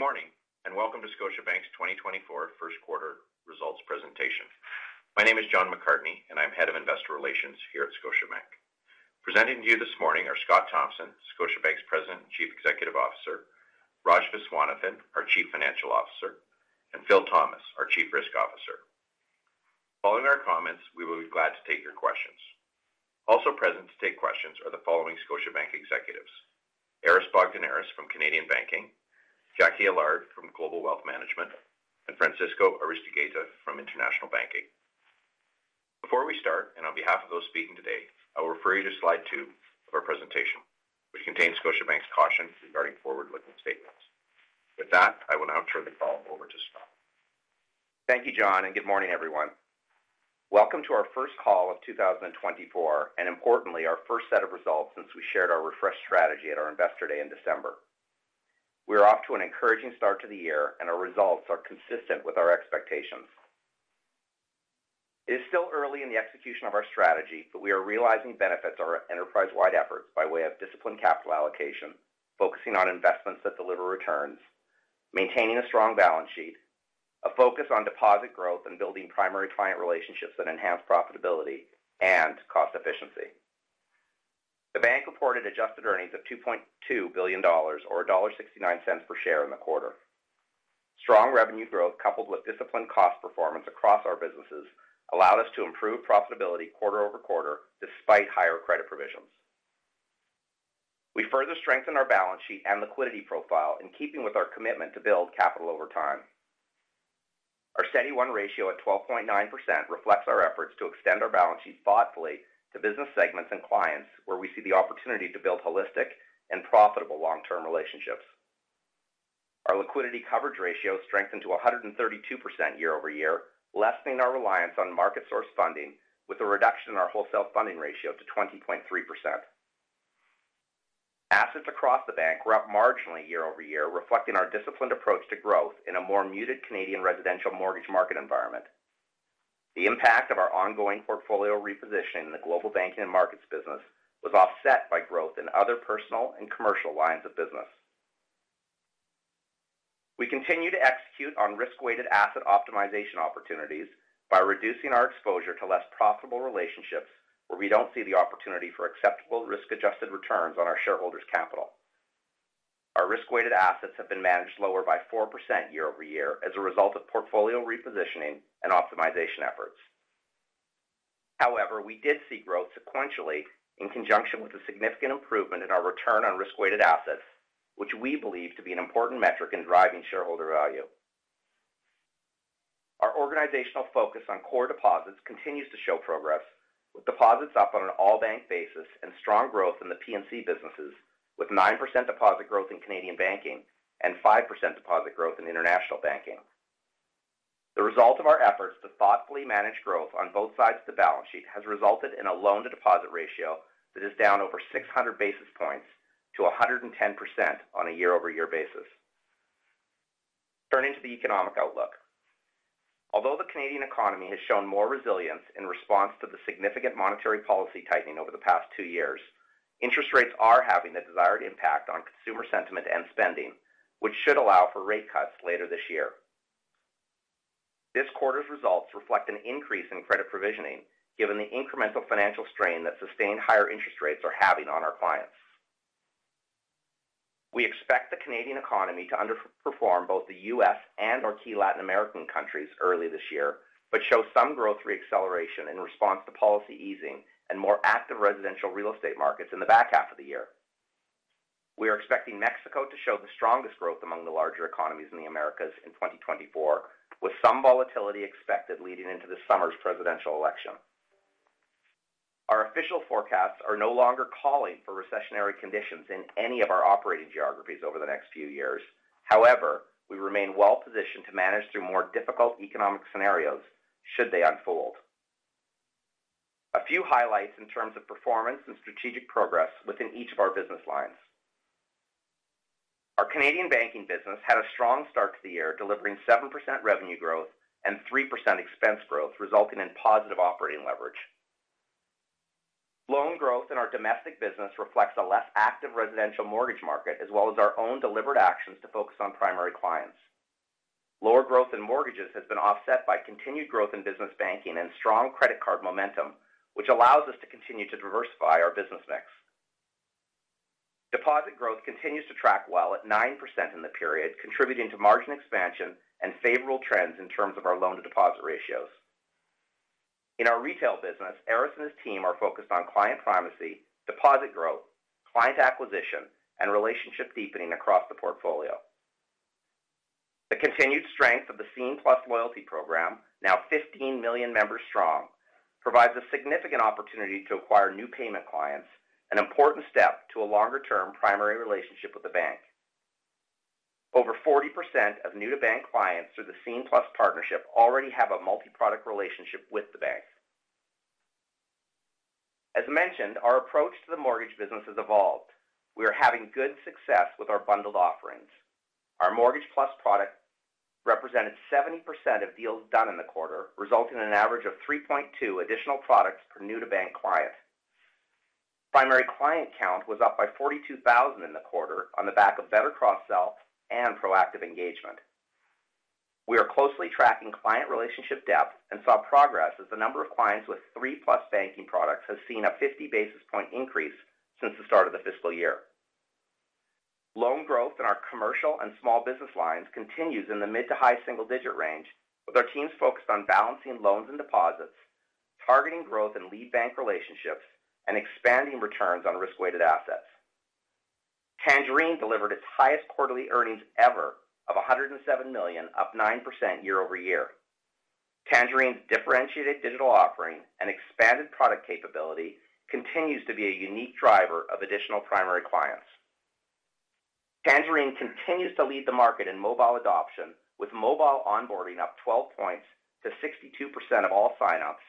Good morning, and welcome to Scotiabank's 2024 first quarter results presentation. My name is John McCartney, and I'm Head of Investor Relations here at Scotiabank. Presenting to you this morning are Scott Thomson, Scotiabank's President and Chief Executive Officer, Raj Viswanathan, our Chief Financial Officer, and Phil Thomas, our Chief Risk Officer. Following our comments, we will be glad to take your questions. Also present to take questions are the following Scotiabank executives: Aris Bogdaneris from Canadian Banking, Jacqui Allard from Global Wealth Management, and Francisco Aristeguieta from International Banking. Before we start, and on behalf of those speaking today, I will refer you to slide 2 of our presentation, which contains Scotiabank's caution regarding forward-looking statements. With that, I will now turn the call over to Scott. Thank you, John, and good morning, everyone. Welcome to our first call of 2024, and importantly, our first set of results since we shared our refreshed strategy at our Investor Day in December. We're off to an encouraging start to the year, and our results are consistent with our expectations. It is still early in the execution of our strategy, but we are realizing benefits of our enterprise-wide efforts by way of disciplined capital allocation, focusing on investments that deliver returns, maintaining a strong balance sheet, a focus on deposit growth, and building primary client relationships that enhance profitability and cost efficiency. The bank reported adjusted earnings of 2.2 billion dollars or dollar 1.69 per share in the quarter. Strong revenue growth, coupled with disciplined cost performance across our businesses, allowed us to improve profitability quarter-over-quarter, despite higher credit provisions. We further strengthened our balance sheet and liquidity profile, in keeping with our commitment to build capital over time. Our CET1 ratio at 12.9% reflects our efforts to extend our balance sheet thoughtfully to business segments and clients, where we see the opportunity to build holistic and profitable long-term relationships. Our liquidity coverage ratio strengthened to 132% year over year, lessening our reliance on market source funding, with a reduction in our wholesale funding ratio to 20.3%. Assets across the bank were up marginally year over year, reflecting our disciplined approach to growth in a more muted Canadian residential mortgage market environment. The impact of our ongoing portfolio reposition in the global banking and markets business was offset by growth in other personal and commercial lines of business. We continue to execute on risk-weighted asset optimization opportunities by reducing our exposure to less profitable relationships where we don't see the opportunity for acceptable risk-adjusted returns on our shareholders' capital. Our risk-weighted assets have been managed lower by 4% year-over-year as a result of portfolio repositioning and optimization efforts. However, we did see growth sequentially in conjunction with a significant improvement in our return on risk-weighted assets, which we believe to be an important metric in driving shareholder value. Our organizational focus on core deposits continues to show progress, with deposits up on an all-bank basis and strong growth in the P&C businesses, with 9% deposit growth in Canadian Banking and 5% deposit growth in International Banking. The result of our efforts to thoughtfully manage growth on both sides of the balance sheet has resulted in a loan-to-deposit ratio that is down over 600 basis points to 110% on a year-over-year basis. Turning to the economic outlook. Although the Canadian economy has shown more resilience in response to the significant monetary policy tightening over the past two years, interest rates are having the desired impact on consumer sentiment and spending, which should allow for rate cuts later this year. This quarter's results reflect an increase in credit provisioning, given the incremental financial strain that sustained higher interest rates are having on our clients. We expect the Canadian economy to underperform both the U.S. and our key Latin American countries early this year, but show some growth reacceleration in response to policy easing and more active residential real estate markets in the back half of the year. We are expecting Mexico to show the strongest growth among the larger economies in the Americas in 2024, with some volatility expected leading into this summer's presidential election. Our official forecasts are no longer calling for recessionary conditions in any of our operating geographies over the next few years. However, we remain well-positioned to manage through more difficult economic scenarios should they unfold. A few highlights in terms of performance and strategic progress within each of our business lines. Our Canadian Banking business had a strong start to the year, delivering 7% revenue growth and 3% expense growth, resulting in positive operating leverage. Loan growth in our domestic business reflects a less active residential mortgage market, as well as our own delivered actions to focus on primary clients. Lower growth in mortgages has been offset by continued growth in business banking and strong credit card momentum, which allows us to continue to diversify our business mix. Deposit growth continues to track well at 9% in the period, contributing to margin expansion and favorable trends in terms of our loan-to-deposit ratios. In our retail business, Aris and his team are focused on client primacy, deposit growth, client acquisition, and relationship deepening across the portfolio. The continued strength of the Scene+ loyalty program, now 15 million members strong, provides a significant opportunity to acquire new payment clients, an important step to a longer-term primary relationship with the bank. Over 40% of new-to-bank clients through the Scene+ partnership already have a multi-product relationship with the bank. As mentioned, our approach to the mortgage business has evolved. We are having good success with our bundled offerings. Our Mortgage+ product represented 70% of deals done in the quarter, resulting in an average of 3.2 additional products per new-to-bank client. Primary client count was up by 42,000 in the quarter on the back of better cross-sell and proactive engagement. We are closely tracking client relationship depth and saw progress as the number of clients with 3+ banking products has seen a 50 basis point increase since the start of the fiscal year. Loan growth in our commercial and small business lines continues in the mid to high single digit range, with our teams focused on balancing loans and deposits, targeting growth in lead bank relationships, and expanding returns on risk-weighted assets. Tangerine delivered its highest quarterly earnings ever of 107 million, up 9% year-over-year. Tangerine's differentiated digital offering and expanded product capability continues to be a unique driver of additional primary clients. Tangerine continues to lead the market in mobile adoption, with mobile onboarding up 12 points to 62% of all sign-ups,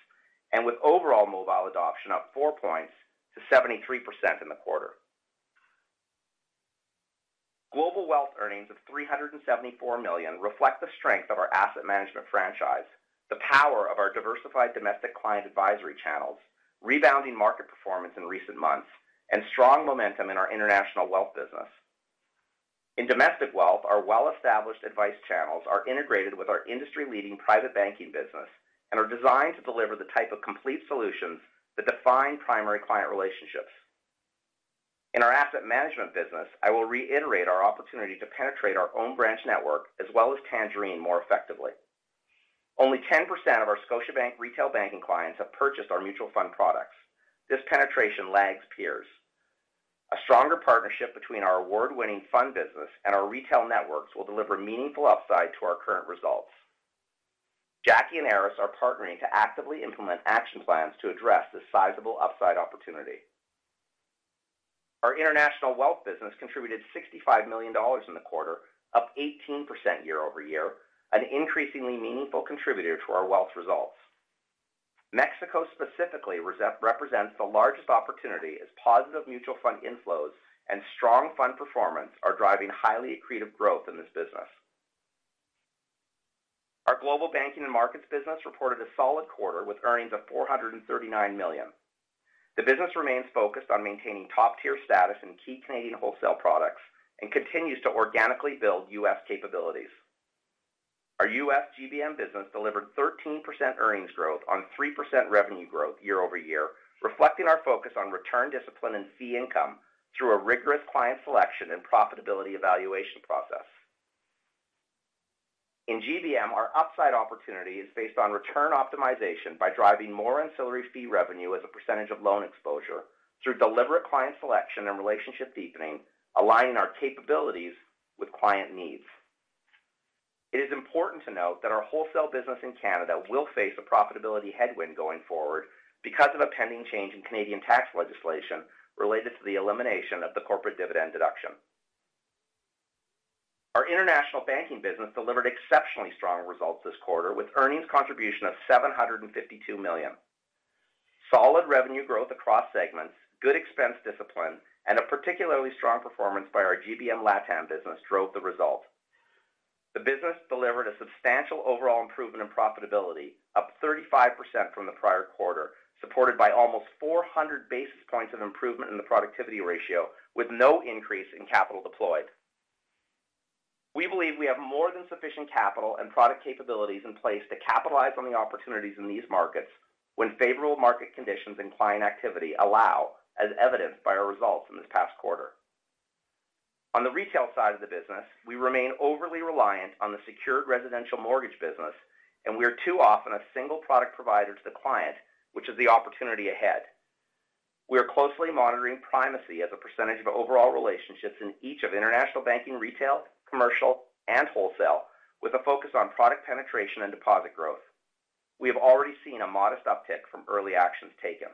and with overall mobile adoption up 4 points to 73% in the quarter. Global Wealth earnings of 374 million reflect the strength of our asset management franchise, the power of our diversified domestic client advisory channels, rebounding market performance in recent months, and strong momentum in our international wealth business. In domestic wealth, our well-established advice channels are integrated with our industry-leading private banking business and are designed to deliver the type of complete solutions that define primary client relationships. In our asset management business, I will reiterate our opportunity to penetrate our own branch network, as well as Tangerine, more effectively. Only 10% of our Scotiabank retail banking clients have purchased our mutual fund products. This penetration lags peers. A stronger partnership between our award-winning fund business and our retail networks will deliver meaningful upside to our current results. Jacqui and Aris are partnering to actively implement action plans to address this sizable upside opportunity. Our international wealth business contributed 65 million dollars in the quarter, up 18% year-over-year, an increasingly meaningful contributor to our wealth results. Mexico specifically represents the largest opportunity as positive mutual fund inflows and strong fund performance are driving highly accretive growth in this business. Our Global Banking and Markets business reported a solid quarter with earnings of 439 million. The business remains focused on maintaining top-tier status in key Canadian wholesale products and continues to organically build U.S. capabilities. Our U.S. GBM business delivered 13% earnings growth on 3% revenue growth year-over-year, reflecting our focus on return discipline and fee income through a rigorous client selection and profitability evaluation process. In GBM, our upside opportunity is based on return optimization by driving more ancillary fee revenue as a percentage of loan exposure through deliberate client selection and relationship deepening, aligning our capabilities with client needs. It is important to note that our wholesale business in Canada will face a profitability headwind going forward because of a pending change in Canadian tax legislation related to the elimination of the corporate dividend deduction. Our International Banking business delivered exceptionally strong results this quarter, with earnings contribution of 752 million. Solid revenue growth across segments, good expense discipline, and a particularly strong performance by our GBM LatAm business drove the result. The business delivered a substantial overall improvement in profitability, up 35% from the prior quarter, supported by almost 400 basis points of improvement in the productivity ratio, with no increase in capital deployed. We believe we have more than sufficient capital and product capabilities in place to capitalize on the opportunities in these markets when favorable market conditions and client activity allow, as evidenced by our results in this past quarter. On the retail side of the business, we remain overly reliant on the secured residential mortgage business, and we are too often a single product provider to the client, which is the opportunity ahead. We are closely monitoring primacy as a percentage of overall relationships in each of International Banking, retail, commercial, and wholesale, with a focus on product penetration and deposit growth. We have already seen a modest uptick from early actions taken.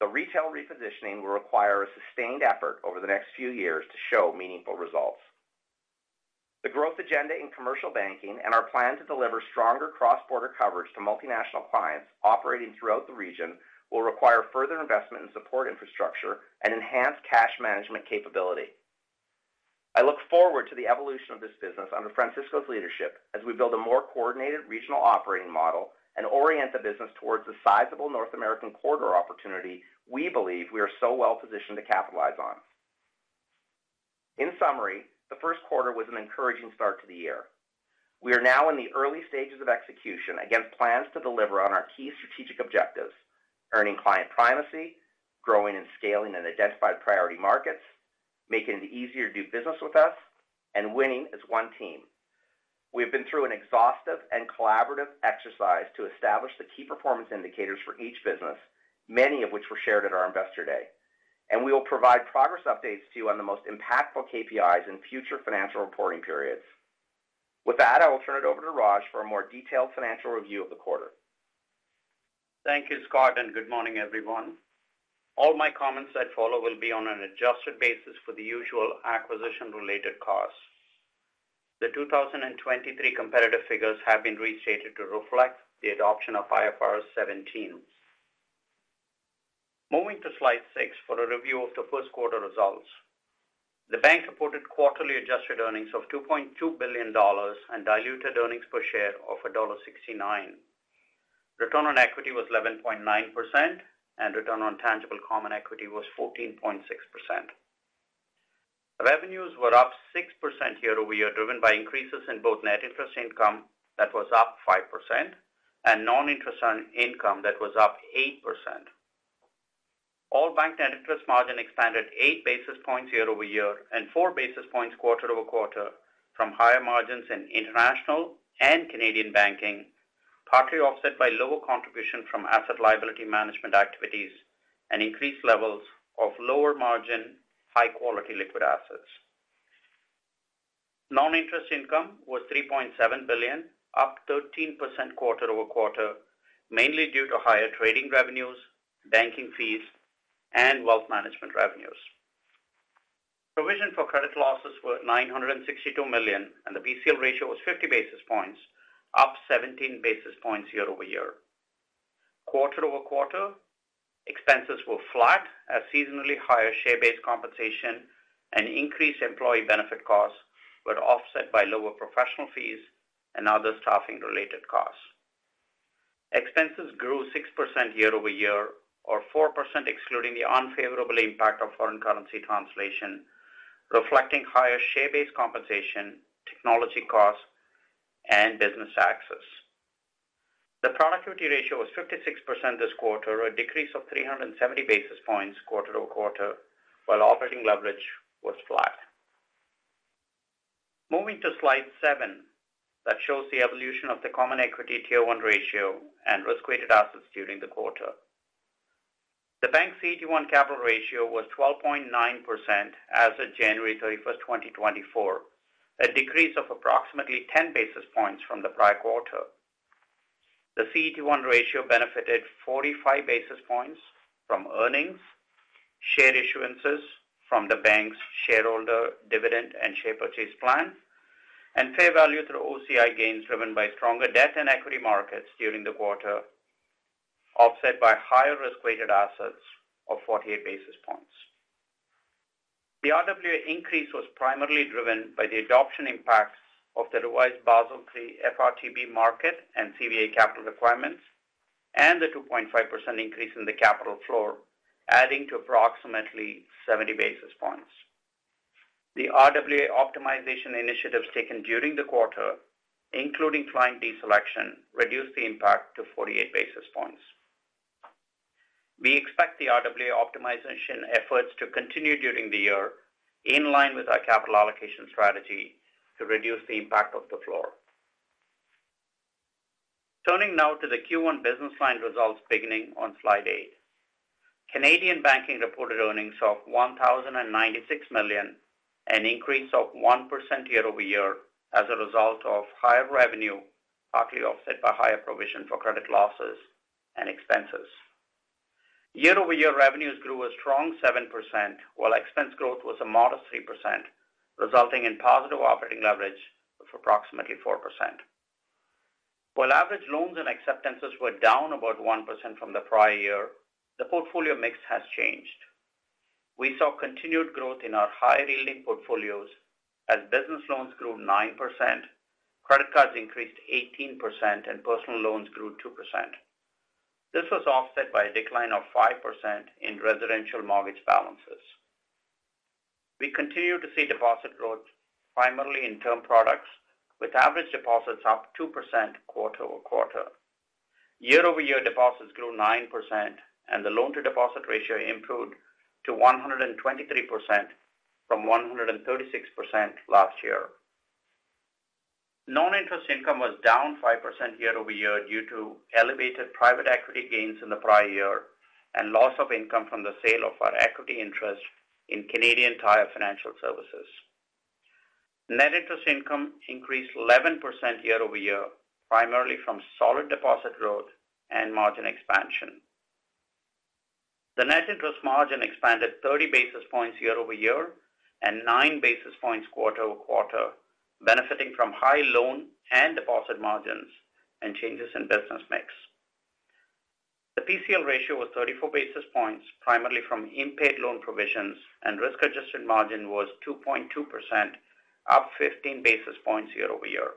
The retail repositioning will require a sustained effort over the next few years to show meaningful results. The growth agenda in commercial banking and our plan to deliver stronger cross-border coverage to multinational clients operating throughout the region will require further investment in support infrastructure and enhanced cash management capability. I look forward to the evolution of this business under Francisco's leadership as we build a more coordinated regional operating model and orient the business towards the sizable North American corridor opportunity we believe we are so well positioned to capitalize on. In summary, the first quarter was an encouraging start to the year. We are now in the early stages of execution against plans to deliver on our key strategic objectives: earning client primacy, growing and scaling in identified priority markets, making it easier to do business with us, and winning as one team. We have been through an exhaustive and collaborative exercise to establish the key performance indicators for each business, many of which were shared at our Investor Day, and we will provide progress updates to you on the most impactful KPIs in future financial reporting periods. With that, I will turn it over to Raj for a more detailed financial review of the quarter. Thank you, Scott, and good morning, everyone. All my comments that follow will be on an adjusted basis for the usual acquisition-related costs. The 2023 comparative figures have been restated to reflect the adoption of IFRS 17. Moving to slide 6 for a review of the first quarter results. The bank reported quarterly adjusted earnings of 2.2 billion dollars and diluted earnings per share of dollar 1.69. Return on equity was 11.9%, and return on tangible common equity was 14.6%. Revenues were up 6% year-over-year, driven by increases in both net interest income, that was up 5%, and non-interest income, that was up 8%. All bank net interest margin expanded 8 basis points year-over-year and 4 basis points quarter-over-quarter from higher margins in international and Canadian Banking, partly offset by lower contribution from asset liability management activities and increased levels of lower margin, high-quality liquid assets. Non-interest income was 3.7 billion, up 13% quarter-over-quarter, mainly due to higher trading revenues, banking fees, and wealth management revenues. Provision for credit losses were 962 million, and the PCL ratio was 50 basis points, up 17 basis points year-over-year. Quarter-over-quarter, expenses were flat as seasonally higher share-based compensation and increased employee benefit costs were offset by lower professional fees and other staffing-related costs. Expenses grew 6% year-over-year or 4%, excluding the unfavorable impact of foreign currency translation, reflecting higher share-based compensation, technology costs, and business taxes. The productivity ratio was 56% this quarter, a decrease of 370 basis points quarter-over-quarter, while operating leverage was flat. Moving to slide 7, that shows the evolution of the Common Equity Tier 1 ratio and risk-weighted assets during the quarter. The bank's CET1 capital ratio was 12.9% as of January 31, 2024, a decrease of approximately 10 basis points from the prior quarter. The CET1 ratio benefited 45 basis points from earnings, share issuances from the bank's shareholder dividend and share purchase plan, and fair value through OCI gains driven by stronger debt and equity markets during the quarter, offset by higher risk-weighted assets of 48 basis points. The RWA increase was primarily driven by the adoption impacts of the revised Basel III FRTB market and CVA capital requirements, and the 2.5 increase in the capital floor, adding to approximately 70 basis points. The RWA optimization initiatives taken during the quarter, including client deselection, reduced the impact to 48 basis points. We expect the RWA optimization efforts to continue during the year, in line with our capital allocation strategy to reduce the impact of the floor. Turning now to the Q1 business line results beginning on slide 8. Canadian Banking reported earnings of 1,096 million, an increase of 1% year-over-year as a result of higher revenue, partly offset by higher provision for credit losses and expenses. Year-over-year, revenues grew a strong 7%, while expense growth was a modest 3%, resulting in positive operating leverage of approximately 4%. While average loans and acceptances were down about 1% from the prior year, the portfolio mix has changed. We saw continued growth in our high-yielding portfolios as business loans grew 9%, credit cards increased 18%, and personal loans grew 2%. This was offset by a decline of 5% in residential mortgage balances. We continue to see deposit growth, primarily in term products, with average deposits up 2% quarter-over-quarter. Year-over-year, deposits grew 9%, and the loan-to-deposit ratio improved to 123% from 136% last year. Non-interest income was down 5% year-over-year due to elevated private equity gains in the prior year and loss of income from the sale of our equity interest in Canadian Tire Financial Services. Net interest income increased 11% year-over-year, primarily from solid deposit growth and margin expansion. The net interest margin expanded 30 basis points year-over-year and 9 basis points quarter-over-quarter, benefiting from high loan and deposit margins and changes in business mix. The PCL ratio was 34 basis points, primarily from impaired loan provisions, and risk-adjusted margin was 2.2%, up 15 basis points year-over-year.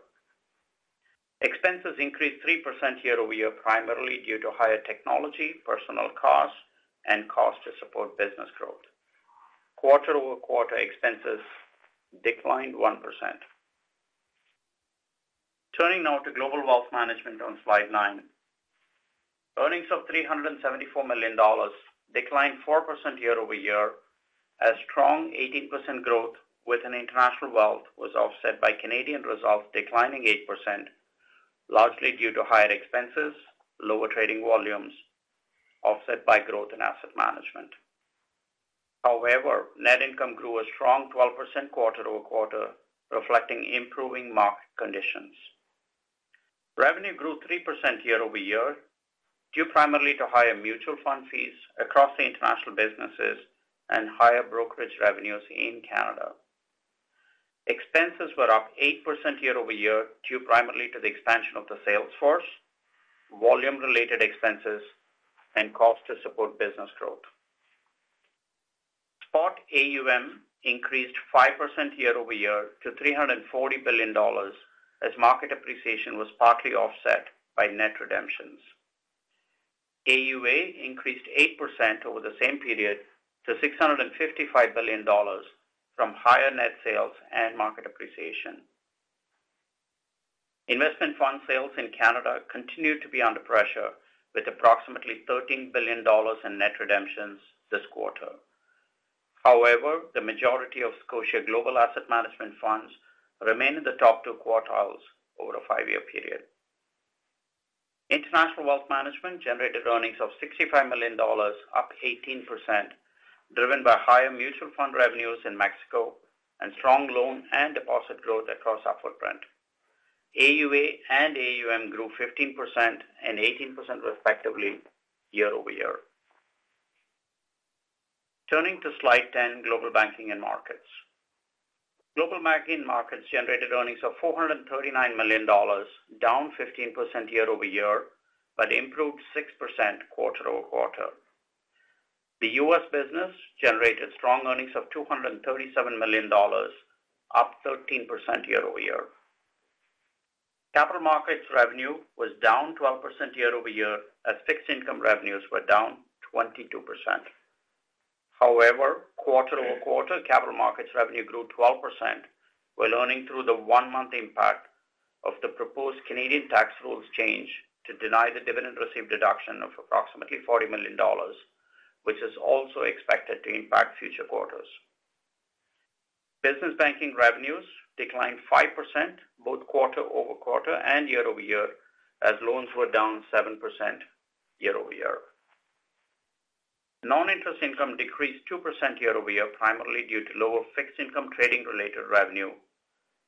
Expenses increased 3% year-over-year, primarily due to higher technology, personnel costs, and costs to support business growth. Quarter-over-quarter, expenses declined 1%. Turning now to Global Wealth Management on slide 9. Earnings of 374 million dollars declined 4% year-over-year, as strong 18% growth within international wealth was offset by Canadian results declining 8%, largely due to higher expenses, lower trading volumes, offset by growth in asset management. However, net income grew a strong 12% quarter-over-quarter, reflecting improving market conditions. Revenue grew 3% year-over-year, due primarily to higher mutual fund fees across the international businesses and higher brokerage revenues in Canada. Expenses were up 8% year-over-year, due primarily to the expansion of the sales force, volume-related expenses, and cost to support business growth. Spot AUM increased 5% year-over-year to 340 billion dollars, as market appreciation was partly offset by net redemptions. AUA increased 8% over the same period to 655 billion dollars from higher net sales and market appreciation. Investment fund sales in Canada continued to be under pressure, with approximately 13 billion dollars in net redemptions this quarter. However, the majority of Scotia Global Asset Management funds remain in the top two quartiles over a five-year period. International Wealth Management generated earnings of 65 million dollars, up 18%, driven by higher mutual fund revenues in Mexico and strong loan and deposit growth across our footprint. AUA and AUM grew 15% and 18%, respectively, year-over-year. Turning to slide 10, Global Banking and Markets. Global Banking and Markets generated earnings of 439 million dollars, down 15% year-over-year, but improved 6% quarter-over-quarter. The US business generated strong earnings of $237 million, up 13% year-over-year. Capital markets revenue was down 12% year-over-year, as fixed income revenues were down 22%. However, quarter-over-quarter, capital markets revenue grew 12%, while earning through the one-month impact of the proposed Canadian tax rules change to deny the dividend received deduction of approximately 40 million dollars, which is also expected to impact future quarters. Business banking revenues declined 5%, both quarter-over-quarter and year-over-year, as loans were down 7% year-over-year. Non-interest income decreased 2% year-over-year, primarily due to lower fixed income trading-related revenue,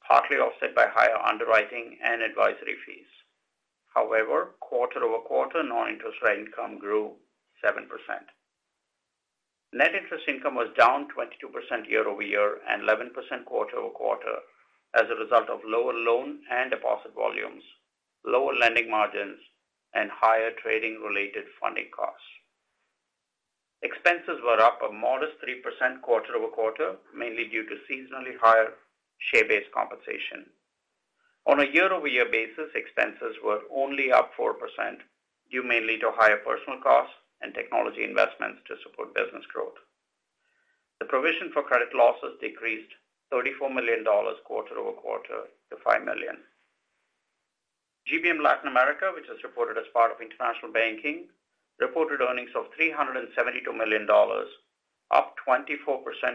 partly offset by higher underwriting and advisory fees. However, quarter-over-quarter, non-interest income grew 7%. Net interest income was down 22% year-over-year and 11% quarter-over-quarter as a result of lower loan and deposit volumes, lower lending margins, and higher trading-related funding costs. Expenses were up a modest 3% quarter-over-quarter, mainly due to seasonally higher share-based compensation. On a year-over-year basis, expenses were only up 4%, due mainly to higher personnel costs and technology investments to support business growth. The provision for credit losses decreased 34 million dollars quarter-over-quarter to 5 million. GBM Latin America, which is reported as part of International Banking, reported earnings of 372 million dollars, up 24%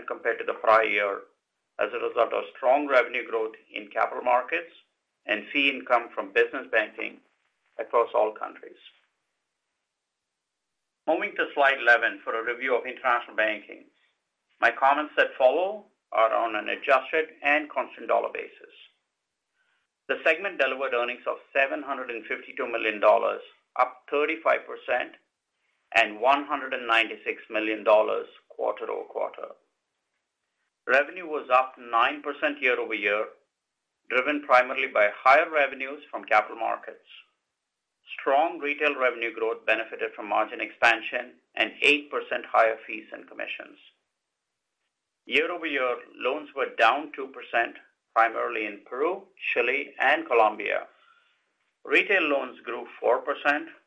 compared to the prior year, as a result of strong revenue growth in capital markets and fee income from business banking across all countries. Moving to slide 11 for a review of International Banking. My comments that follow are on an adjusted and constant dollar basis. The segment delivered earnings of 752 million dollars, up 35%, and 196 million dollars quarter-over-quarter. Revenue was up 9% year-over-year, driven primarily by higher revenues from capital markets. Strong retail revenue growth benefited from margin expansion and 8% higher fees and commissions. Year-over-year, loans were down 2%, primarily in Peru, Chile, and Colombia. Retail loans grew 4%,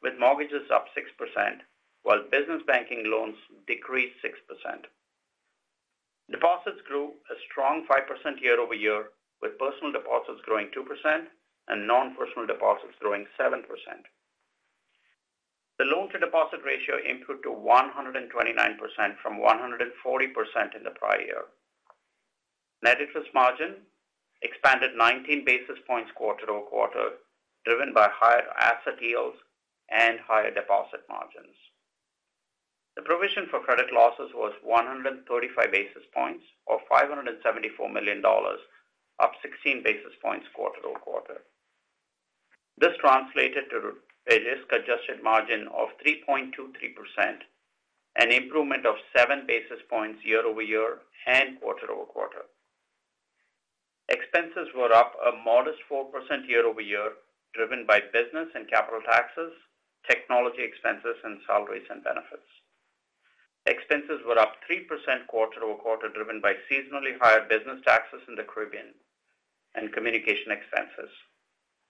with mortgages up 6%, while business banking loans decreased 6%. Deposits grew a strong 5% year-over-year, with personal deposits growing 2% and non-personal deposits growing 7%. The loan-to-deposit ratio improved to 129% from 140% in the prior year. Net interest margin expanded 19 basis points quarter-over-quarter, driven by higher asset yields and higher deposit margins. The provision for credit losses was 135 basis points, or 574 million dollars, up 16 basis points quarter-over-quarter. This translated to a risk-adjusted margin of 3.23%, an improvement of 7 basis points year-over-year and quarter-over-quarter. Expenses were up a modest 4% year-over-year, driven by business and capital taxes, technology expenses, and salaries and benefits. Expenses were up 3% quarter-over-quarter, driven by seasonally higher business taxes in the Caribbean and communication expenses.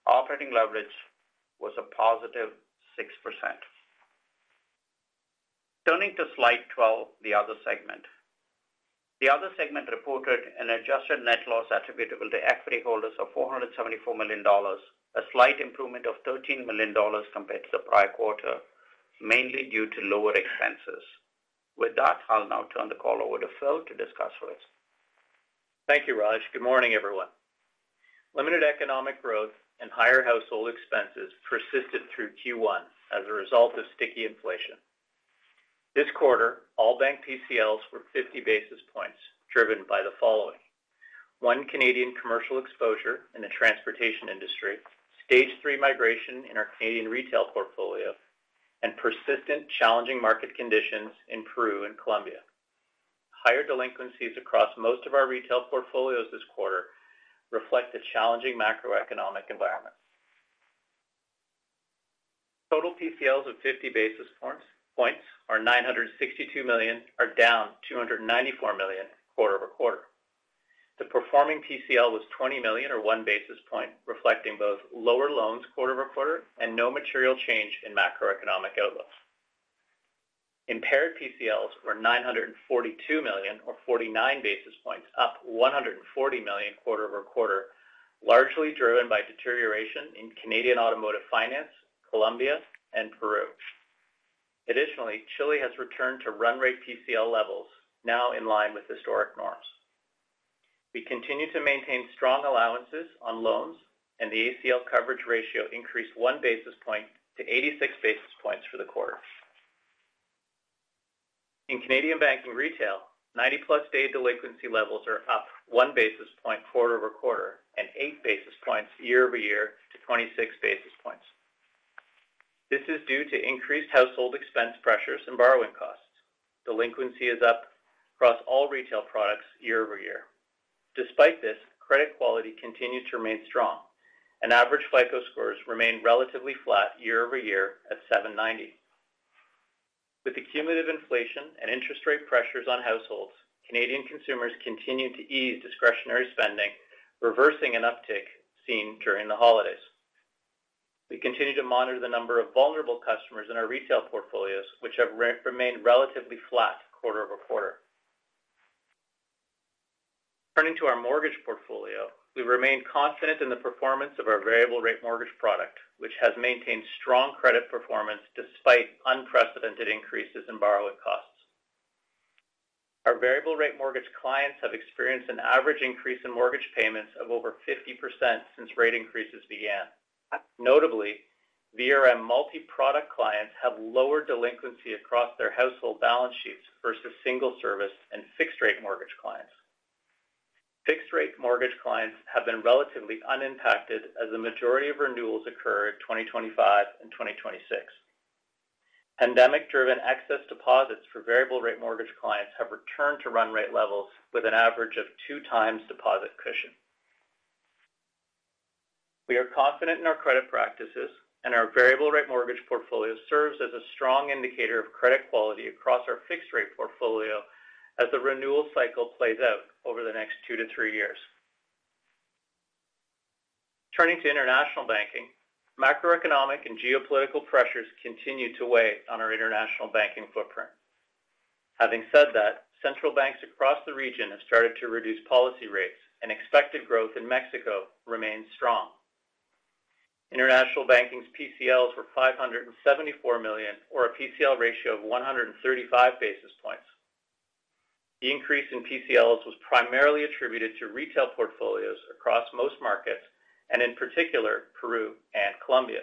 Operating leverage was a positive 6%. Turning to slide 12, the Other segment. The Other segment reported an adjusted net loss attributable to equity holders of 474 million dollars, a slight improvement of 13 million dollars compared to the prior quarter, mainly due to lower expenses. With that, I'll now turn the call over to Phil to discuss with us. Thank you, Raj. Good morning, everyone. Limited economic growth and higher household expenses persisted through Q1 as a result of sticky inflation. This quarter, all bank PCLs were 50 basis points, driven by the following: 1, Canadian commercial exposure in the transportation industry, stage three migration in our Canadian retail portfolio,... and persistent challenging market conditions in Peru and Colombia. Higher delinquencies across most of our retail portfolios this quarter reflect the challenging macroeconomic environment. Total PCLs of 50 basis points, points are 962 million, are down 294 million quarter over quarter. The performing PCL was 20 million, or 1 basis point, reflecting both lower loans quarter over quarter and no material change in macroeconomic outlooks. Impaired PCLs were 942 million, or 49 basis points, up 140 million quarter-over-quarter, largely driven by deterioration in Canadian automotive finance, Colombia and Peru. Additionally, Chile has returned to run rate PCL levels, now in line with historic norms. We continue to maintain strong allowances on loans, and the ACL coverage ratio increased 1 basis point to 86 basis points for the quarter. In Canadian Banking Retail, 90+ day delinquency levels are up 1 basis point quarter-over-quarter and 8 basis points year-over-year to 26 basis points. This is due to increased household expense pressures and borrowing costs. Delinquency is up across all retail products year-over-year. Despite this, credit quality continues to remain strong, and average FICO scores remain relatively flat year-over-year at 790. With the cumulative inflation and interest rate pressures on households, Canadian consumers continue to ease discretionary spending, reversing an uptick seen during the holidays. We continue to monitor the number of vulnerable customers in our retail portfolios, which have remained relatively flat quarter-over-quarter. Turning to our mortgage portfolio, we remain confident in the performance of our variable rate mortgage product, which has maintained strong credit performance despite unprecedented increases in borrowing costs. Our variable rate mortgage clients have experienced an average increase in mortgage payments of over 50% since rate increases began. Notably, VRM multiproduct clients have lower delinquency across their household balance sheets versus single service and fixed-rate mortgage clients. Fixed-rate mortgage clients have been relatively unimpacted as the majority of renewals occur in 2025 and 2026. Pandemic-driven excess deposits for variable rate mortgage clients have returned to run rate levels with an average of 2x deposit cushion. We are confident in our credit practices, and our variable rate mortgage portfolio serves as a strong indicator of credit quality across our fixed-rate portfolio as the renewal cycle plays out over the next 2-3 years. Turning to International Banking, macroeconomic and geopolitical pressures continue to weigh on our International Banking footprint. Having said that, central banks across the region have started to reduce policy rates, and expected growth in Mexico remains strong. International Banking's PCLs were 574 million, or a PCL ratio of 135 basis points. The increase in PCLs was primarily attributed to retail portfolios across most markets and in particular, Peru and Colombia.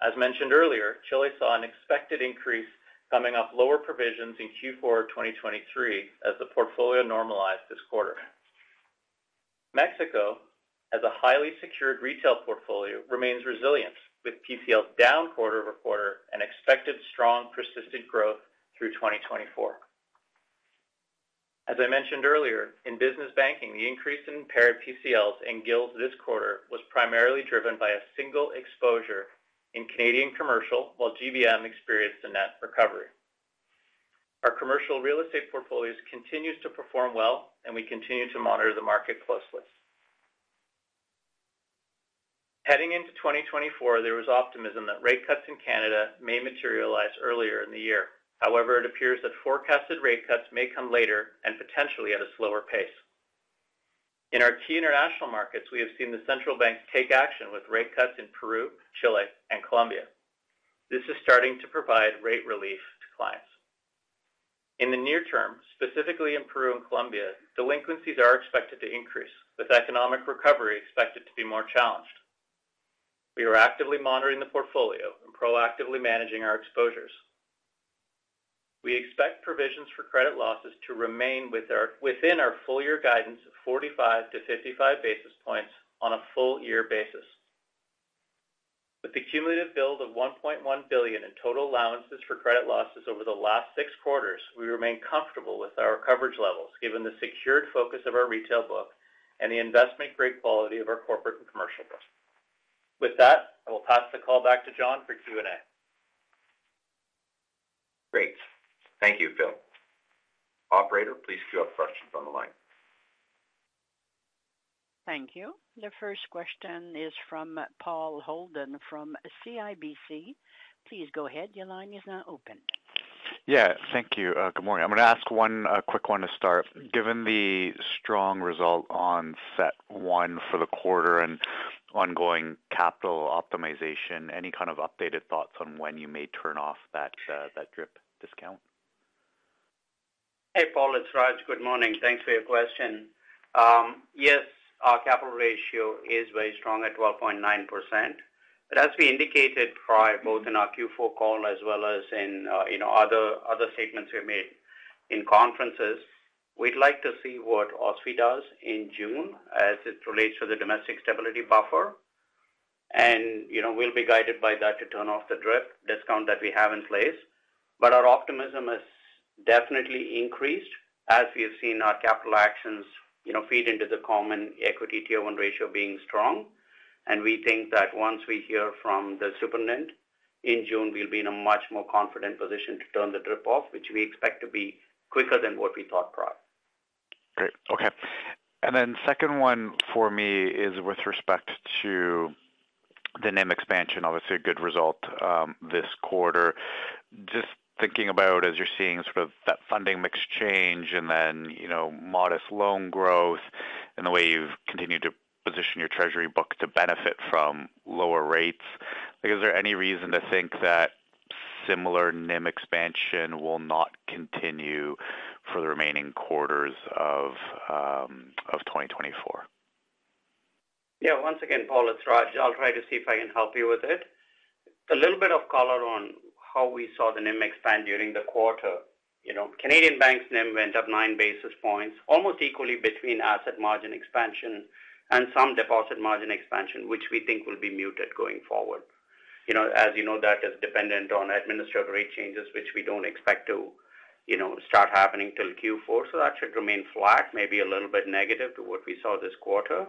As mentioned earlier, Chile saw an expected increase coming off lower provisions in Q4 of 2023 as the portfolio normalized this quarter. Mexico, as a highly secured retail portfolio, remains resilient, with PCLs down quarter-over-quarter and expected strong, persistent growth through 2024. As I mentioned earlier, in business banking, the increase in impaired PCLs and GILs this quarter was primarily driven by a single exposure in Canadian commercial, while GBM experienced a net recovery. Our commercial real estate portfolios continues to perform well, and we continue to monitor the market closely. Heading into 2024, there was optimism that rate cuts in Canada may materialize earlier in the year. However, it appears that forecasted rate cuts may come later and potentially at a slower pace. In our key international markets, we have seen the central banks take action with rate cuts in Peru, Chile and Colombia. This is starting to provide rate relief to clients. In the near term, specifically in Peru and Colombia, delinquencies are expected to increase, with economic recovery expected to be more challenged. We are actively monitoring the portfolio and proactively managing our exposures. We expect provisions for credit losses to remain within our full year guidance of 45-55 basis points on a full year basis. With the cumulative build of 1.1 billion in total allowances for credit losses over the last six quarters, we remain comfortable with our coverage levels, given the secured focus of our retail book and the investment-grade quality of our corporate and commercial book. With that, I will pass the call back to John for Q&A. Great. Thank you, Phil. Operator, please cue up questions on the line. Thank you. The first question is from Paul Holden from CIBC. Please go ahead. Your line is now open. Yeah, thank you. Good morning. I'm going to ask one quick one to start. Given the strong result on CET1 for the quarter and ongoing capital optimization, any kind of updated thoughts on when you may turn off that DRIP discount? Hey, Paul, it's Raj. Good morning. Thanks for your question. Yes, our capital ratio is very strong at 12.9%, but as we indicated prior, both in our Q4 call as well as in, you know, other, other statements we made... in conferences, we'd like to see what OSFI does in June as it relates to the Domestic Stability Buffer. And, you know, we'll be guided by that to turn off the DRIP discount that we have in place. But our optimism has definitely increased as we have seen our capital actions, you know, feed into the Common Equity Tier 1 ratio being strong. And we think that once we hear from the superintendent in June, we'll be in a much more confident position to turn the DRIP off, which we expect to be quicker than what we thought prior. Great. Okay. And then second one for me is with respect to the NIM expansion. Obviously, a good result, this quarter. Just thinking about as you're seeing sort of that funding mix change and then, you know, modest loan growth and the way you've continued to position your treasury book to benefit from lower rates, like, is there any reason to think that similar NIM expansion will not continue for the remaining quarters of 2024? Yeah, once again, Paul, it's Raj. I'll try to see if I can help you with it. A little bit of color on how we saw the NIM expand during the quarter. You know, Canadian Bank's NIM went up 9 basis points, almost equally between asset margin expansion and some deposit margin expansion, which we think will be muted going forward. You know, as you know, that is dependent on administrative rate changes, which we don't expect to, you know, start happening till Q4. So that should remain flat, maybe a little bit negative to what we saw this quarter,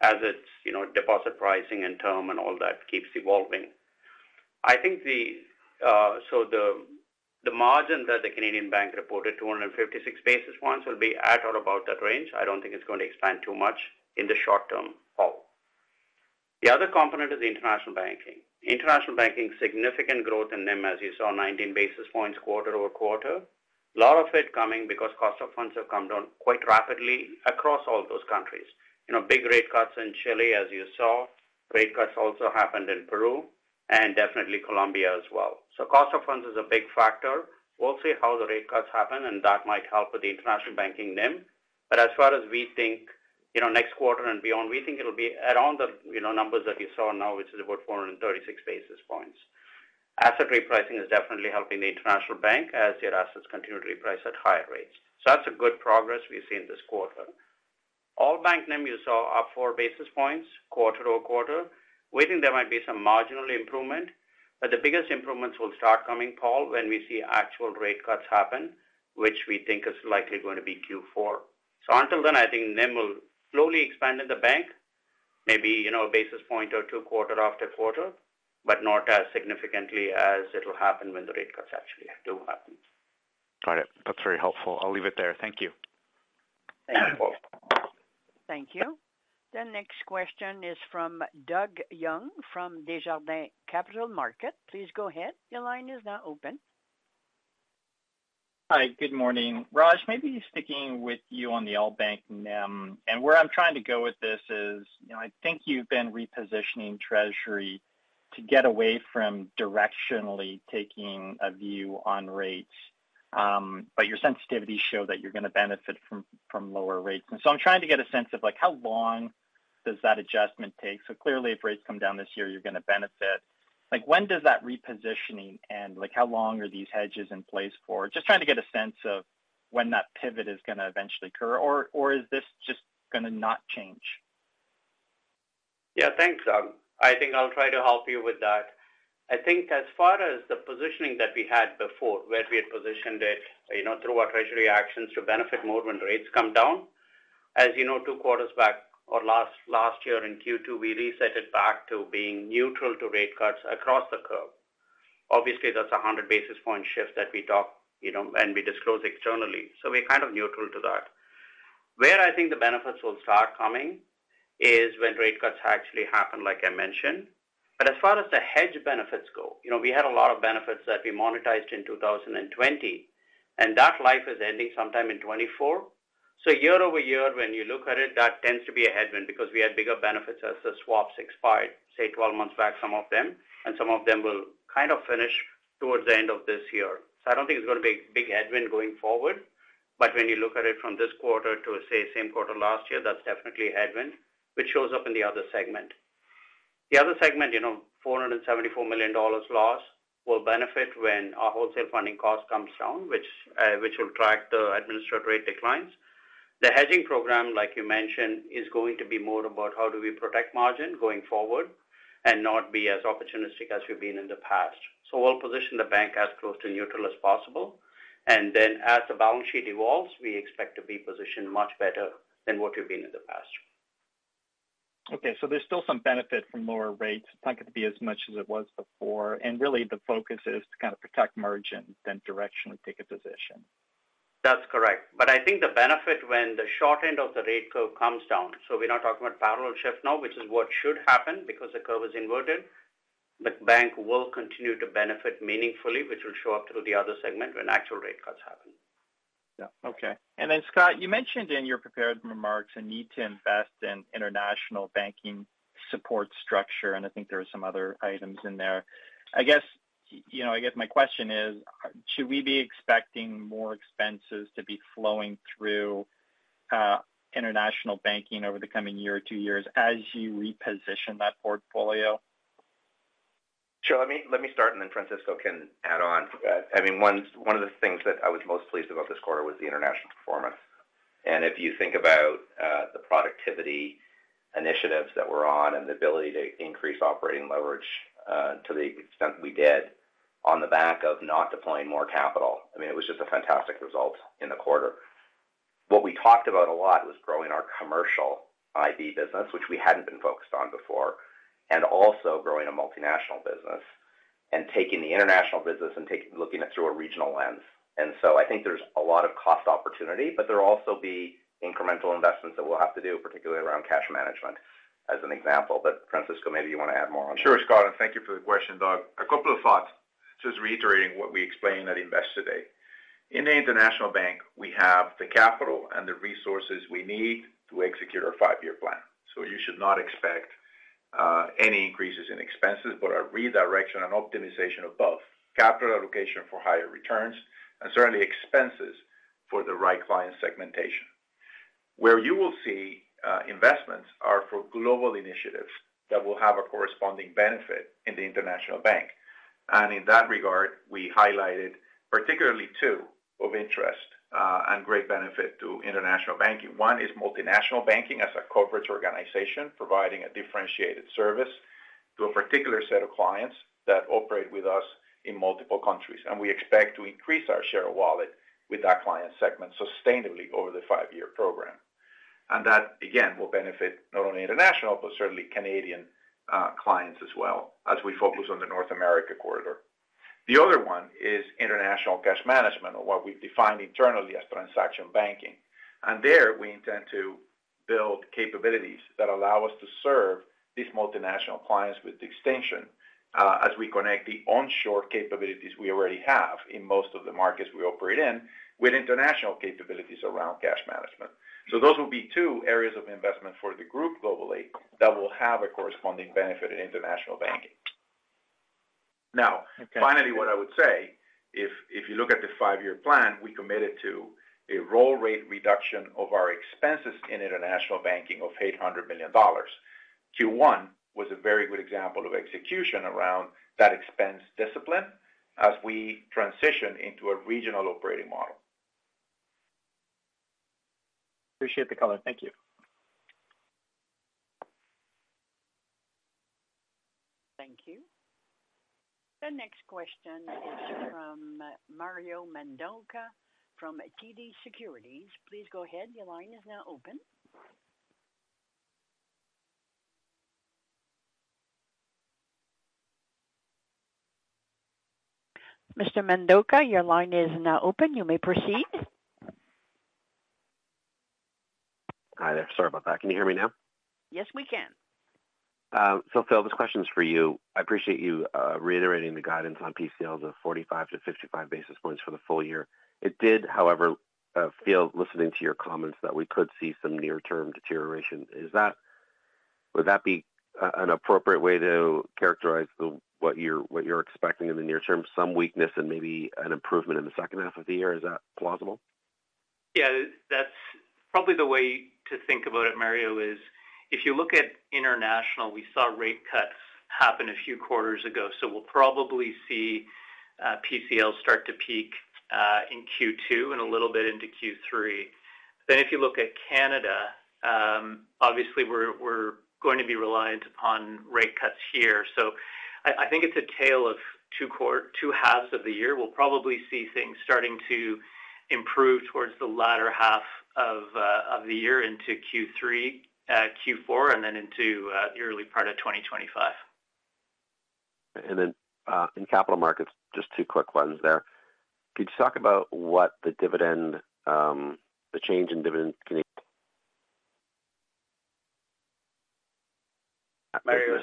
as it's, you know, deposit pricing and term and all that keeps evolving. I think the, so the, the margin that the Canadian Bank reported, 256 basis points, will be at or about that range. I don't think it's going to expand too much in the short term, Paul. The other component is the International Banking. International Banking, significant growth in NIM, as you saw, 19 basis points quarter-over-quarter. A lot of it coming because cost of funds have come down quite rapidly across all those countries. You know, big rate cuts in Chile, as you saw. Rate cuts also happened in Peru and definitely Colombia as well. So cost of funds is a big factor. We'll see how the rate cuts happen, and that might help with the International Banking NIM. But as far as we think, you know, next quarter and beyond, we think it'll be around the, you know, numbers that you saw now, which is about 436 basis points. Asset repricing is definitely helping the International Bank as their assets continue to reprice at higher rates. So that's a good progress we've seen this quarter. All bank NIM you saw up four basis points quarter-over-quarter. We think there might be some marginal improvement, but the biggest improvements will start coming, Paul, when we see actual rate cuts happen, which we think is likely going to be Q4. So until then, I think NIM will slowly expand in the bank, maybe, you know, a basis point or two quarter after quarter, but not as significantly as it'll happen when the rate cuts actually do happen. Got it. That's very helpful. I'll leave it there. Thank you. Thank you, Paul. Thank you. The next question is from Doug Young from Desjardins Capital Markets. Please go ahead. Your line is now open. Hi, good morning. Raj, maybe sticking with you on the all bank NIM, and where I'm trying to go with this is, you know, I think you've been repositioning treasury to get away from directionally taking a view on rates, but your sensitivities show that you're going to benefit from lower rates. And so I'm trying to get a sense of, like, how long does that adjustment take? Clearly, if rates come down this year, you're going to benefit. Like, when does that repositioning end? Like, how long are these hedges in place for? Just trying to get a sense of when that pivot is going to eventually occur, or is this just going to not change? Yeah, thanks, Doug. I think I'll try to help you with that. I think as far as the positioning that we had before, where we had positioned it, you know, through our treasury actions to benefit more when rates come down, as you know, two quarters back or last year in Q2, we reset it back to being neutral to rate cuts across the curve. Obviously, that's a 100 basis point shift that we talked, you know, and we disclosed externally, so we're kind of neutral to that. Where I think the benefits will start coming is when rate cuts actually happen, like I mentioned. But as far as the hedge benefits go, you know, we had a lot of benefits that we monetized in 2020, and that life is ending sometime in 2024. So year-over-year, when you look at it, that tends to be a headwind because we had bigger benefits as the swaps expired, say, 12 months back, some of them, and some of them will kind of finish towards the end of this year. So I don't think it's going to be a big headwind going forward, but when you look at it from this quarter to, say, same quarter last year, that's definitely a headwind, which shows up in the Other segment. The Other segment, you know, 474 million dollars loss will benefit when our wholesale funding cost comes down, which will track the administrative rate declines. The hedging program, like you mentioned, is going to be more about how do we protect margin going forward and not be as opportunistic as we've been in the past. So we'll position the bank as close to neutral as possible, and then as the balance sheet evolves, we expect to be positioned much better than what we've been in the past. Okay, so there's still some benefit from lower rates. It's not going to be as much as it was before, and really the focus is to kind of protect margin than directionally take a position. That's correct. But I think the benefit when the short end of the rate curve comes down, so we're not talking about parallel shift now, which is what should happen because the curve is inverted, but bank will continue to benefit meaningfully, which will show up through the Other segment when actual rate cuts happen. Yeah. Okay. And then, Scott, you mentioned in your prepared remarks a need to invest in International Banking support structure, and I think there are some other items in there. I guess, you know, I guess my question is, should we be expecting more expenses to be flowing through, International Banking over the coming year or two years as you reposition that portfolio?... Sure, let me, let me start and then Francisco can add on. I mean, one, one of the things that I was most pleased about this quarter was the international performance. And if you think about the productivity initiatives that we're on and the ability to increase operating leverage to the extent we did on the back of not deploying more capital, I mean, it was just a fantastic result in the quarter. What we talked about a lot was growing our commercial IB business, which we hadn't been focused on before, and also growing a multinational business and taking the international business and looking it through a regional lens. And so I think there's a lot of cost opportunity, but there'll also be incremental investments that we'll have to do, particularly around cash management, as an example. But Francisco, maybe you want to add more on that. Sure, Scott, and thank you for the question, Doug. A couple of thoughts, just reiterating what we explained at Investor Day. In the International Bank, we have the capital and the resources we need to execute our five-year plan. So you should not expect any increases in expenses, but a redirection and optimization of both capital allocation for higher returns and certainly expenses for the right client segmentation. Where you will see investments are for global initiatives that will have a corresponding benefit in the International Bank. And in that regard, we highlighted particularly two of interest and great benefit to International Banking. One is multinational banking as a coverage organization, providing a differentiated service to a particular set of clients that operate with us in multiple countries. And we expect to increase our share of wallet with that client segment sustainably over the five-year program. And that, again, will benefit not only international, but certainly Canadian, clients as well as we focus on the North America corridor. The other one is international cash management, or what we've defined internally as transaction banking. And there, we intend to build capabilities that allow us to serve these multinational clients with distinction, as we connect the onshore capabilities we already have in most of the markets we operate in, with international capabilities around cash management. So those will be two areas of investment for the group globally that will have a corresponding benefit in International Banking. Now, finally, what I would say, if, if you look at the five-year plan, we committed to a roll rate reduction of our expenses in International Banking of 800 million dollars. Q1 was a very good example of execution around that expense discipline as we transition into a regional operating model. Appreciate the color. Thank you. Thank you. The next question is from Mario Mendonca from TD Securities. Please go ahead. Your line is now open. Mr. Mendonca, your line is now open. You may proceed. Hi there. Sorry about that. Can you hear me now? Yes, we can. So Phil, this question is for you. I appreciate you reiterating the guidance on PCLs of 45-55 basis points for the full year. It did, however, feel, listening to your comments, that we could see some near-term deterioration. Is that would that be an appropriate way to characterize the, what you're, what you're expecting in the near term, some weakness and maybe an improvement in the second half of the year? Is that plausible? Yeah, that's probably the way to think about it, Mario, is if you look at international, we saw rate cuts happen a few quarters ago, so we'll probably see PCL start to peak in Q2 and a little bit into Q3. Then if you look at Canada, obviously, we're going to be reliant upon rate cuts here. So I think it's a tale of two halves of the year. We'll probably see things starting to improve towards the latter half of the year into Q3, Q4, and then into the early part of 2025. And then, in capital markets, just two quick ones there. Could you talk about what the dividend, the change in dividend can- Mario,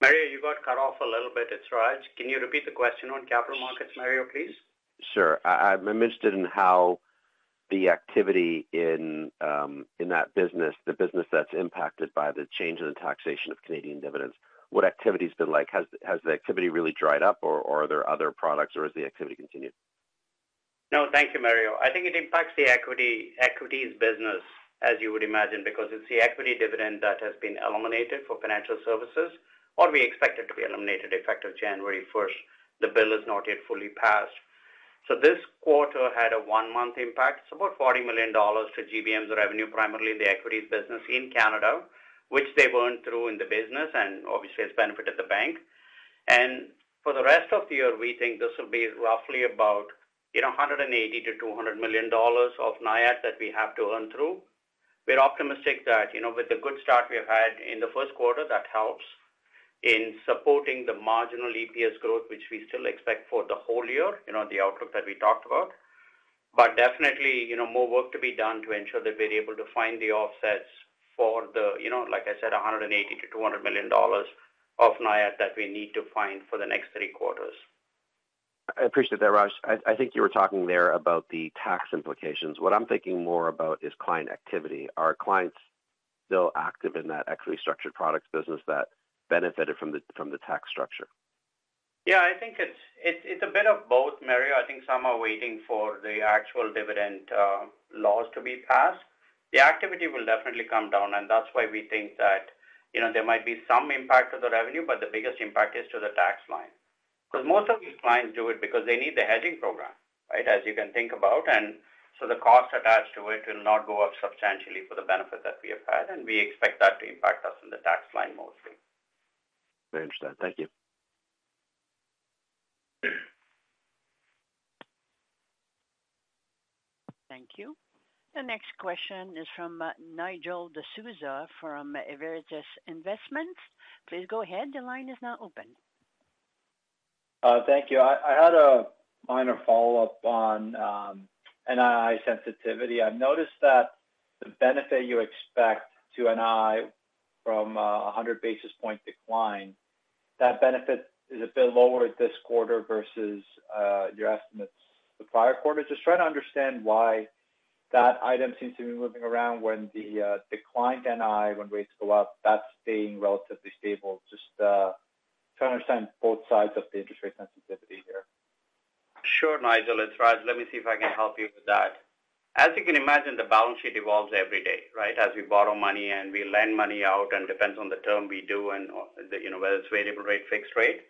Mario, you got cut off a little bit. It's Raj. Can you repeat the question on capital markets, Mario, please? Sure. I'm interested in how the activity in that business, the business that's impacted by the change in the taxation of Canadian dividends, what activity has been like? Has the activity really dried up, or are there other products, or is the activity continued? No, thank you, Mario. I think it impacts the equity, equities business, as you would imagine, because it's the equity dividend that has been eliminated for financial services, or we expect it to be eliminated effective January first. The bill is not yet fully passed. So this quarter had a one-month impact. It's about 40 million dollars to GBM's revenue, primarily in the equities business in Canada, which they burned through in the business and obviously has benefited the bank. And for the rest of the year, we think this will be roughly about, you know, 180 million-200 million dollars of NIAT that we have to earn through. We're optimistic that, you know, with the good start we have had in the first quarter, that helps in supporting the marginal EPS growth, which we still expect for the whole year, you know, the outlook that we talked about. But definitely, you know, more work to be done to ensure that we're able to find the offsets for the, you know, like I said, 180 million-200 million dollars of NIAT that we need to find for the next three quarters. I appreciate that, Raj. I, I think you were talking there about the tax implications. What I'm thinking more about is client activity. Are clients still active in that equity structured products business that benefited from the, from the tax structure?... Yeah, I think it's a bit of both, Mario. I think some are waiting for the actual dividend laws to be passed. The activity will definitely come down, and that's why we think that, you know, there might be some impact to the revenue, but the biggest impact is to the tax line. Because most of these clients do it because they need the hedging program, right? As you can think about. And so the cost attached to it will not go up substantially for the benefit that we have had, and we expect that to impact us in the tax line mostly. Very interesting. Thank you. Thank you. The next question is from Nigel D'Souza from Evercore ISI. Please go ahead. The line is now open. Thank you. I had a minor follow-up on NII sensitivity. I've noticed that the benefit you expect to NII from a 100 basis point decline. That benefit is a bit lower this quarter versus your estimates the prior quarter. Just trying to understand why that item seems to be moving around when the declined NII, when rates go up, that's staying relatively stable. Just trying to understand both sides of the interest rate sensitivity here. Sure, Nigel. It's Raj. Let me see if I can help you with that. As you can imagine, the balance sheet evolves every day, right? As we borrow money and we lend money out, and depends on the term we do and, or, you know, whether it's variable rate, fixed rate.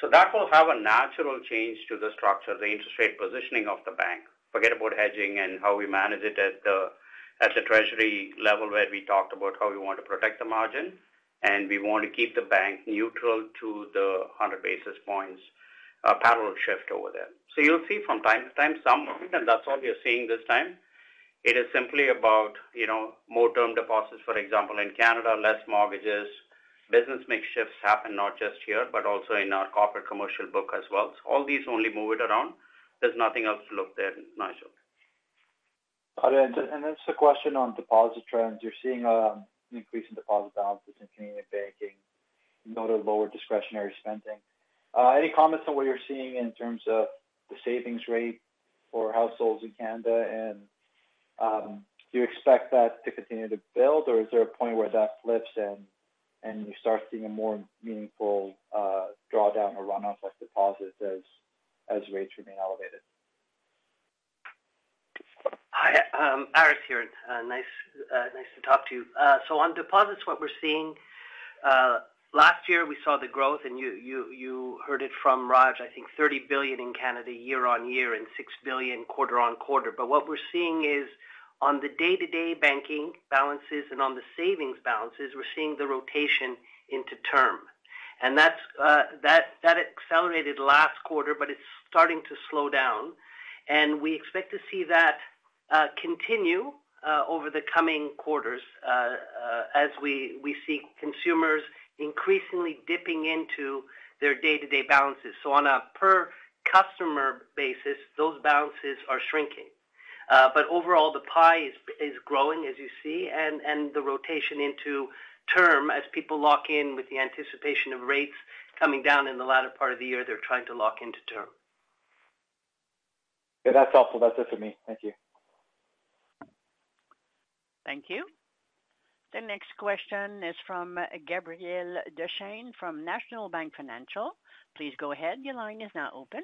So that will have a natural change to the structure, the interest rate positioning of the bank. Forget about hedging and how we manage it at the treasury level, where we talked about how we want to protect the margin, and we want to keep the bank neutral to the 100 basis points parallel shift over there. So you'll see from time to time, some movement, and that's all we are seeing this time. It is simply about, you know, more term deposits, for example, in Canada, less mortgages. Business mix shifts happen not just here, but also in our corporate commercial book as well. So all these only move it around. There's nothing else to look there, Nigel. This is a question on deposit trends. You're seeing an increase in deposit balances in community banking, noting a lower discretionary spending. Any comments on what you're seeing in terms of the savings rate for households in Canada? And do you expect that to continue to build, or is there a point where that flips and you start seeing a more meaningful drawdown or runoff of deposits as rates remain elevated? Hi, Aris here. Nice to talk to you. So on deposits, what we're seeing last year, we saw the growth, and you heard it from Raj, I think 30 billion in Canada, year-on-year and 6 billion quarter-on-quarter. But what we're seeing is on the day-to-day banking balances and on the savings balances, we're seeing the rotation into term. And that accelerated last quarter, but it's starting to slow down, and we expect to see that continue over the coming quarters, as we see consumers increasingly dipping into their day-to-day balances. So on a per customer basis, those balances are shrinking. But overall, the pie is growing, as you see, and the rotation into term as people lock in with the anticipation of rates coming down in the latter part of the year, they're trying to lock into term. Yeah, that's helpful. That's it for me. Thank you. Thank you. The next question is from Gabriel Dechaine from National Bank Financial. Please go ahead. Your line is now open.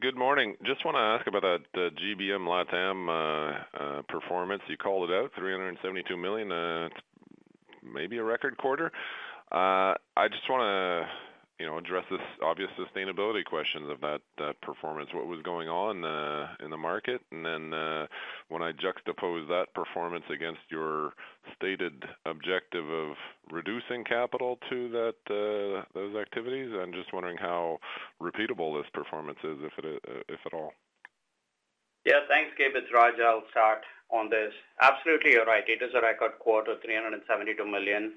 Good morning. Just want to ask about the GBM LatAm performance. You called it out, 372 million, maybe a record quarter. I just want to, you know, address this obvious sustainability question of that, that performance, what was going on in the market? And then, when I juxtapose that performance against your stated objective of reducing capital to that, those activities, I'm just wondering how repeatable this performance is, if it is, if at all. Yeah. Thanks, Gabe. It's Raj. I'll start on this. Absolutely, you're right. It is a record quarter, 372 million.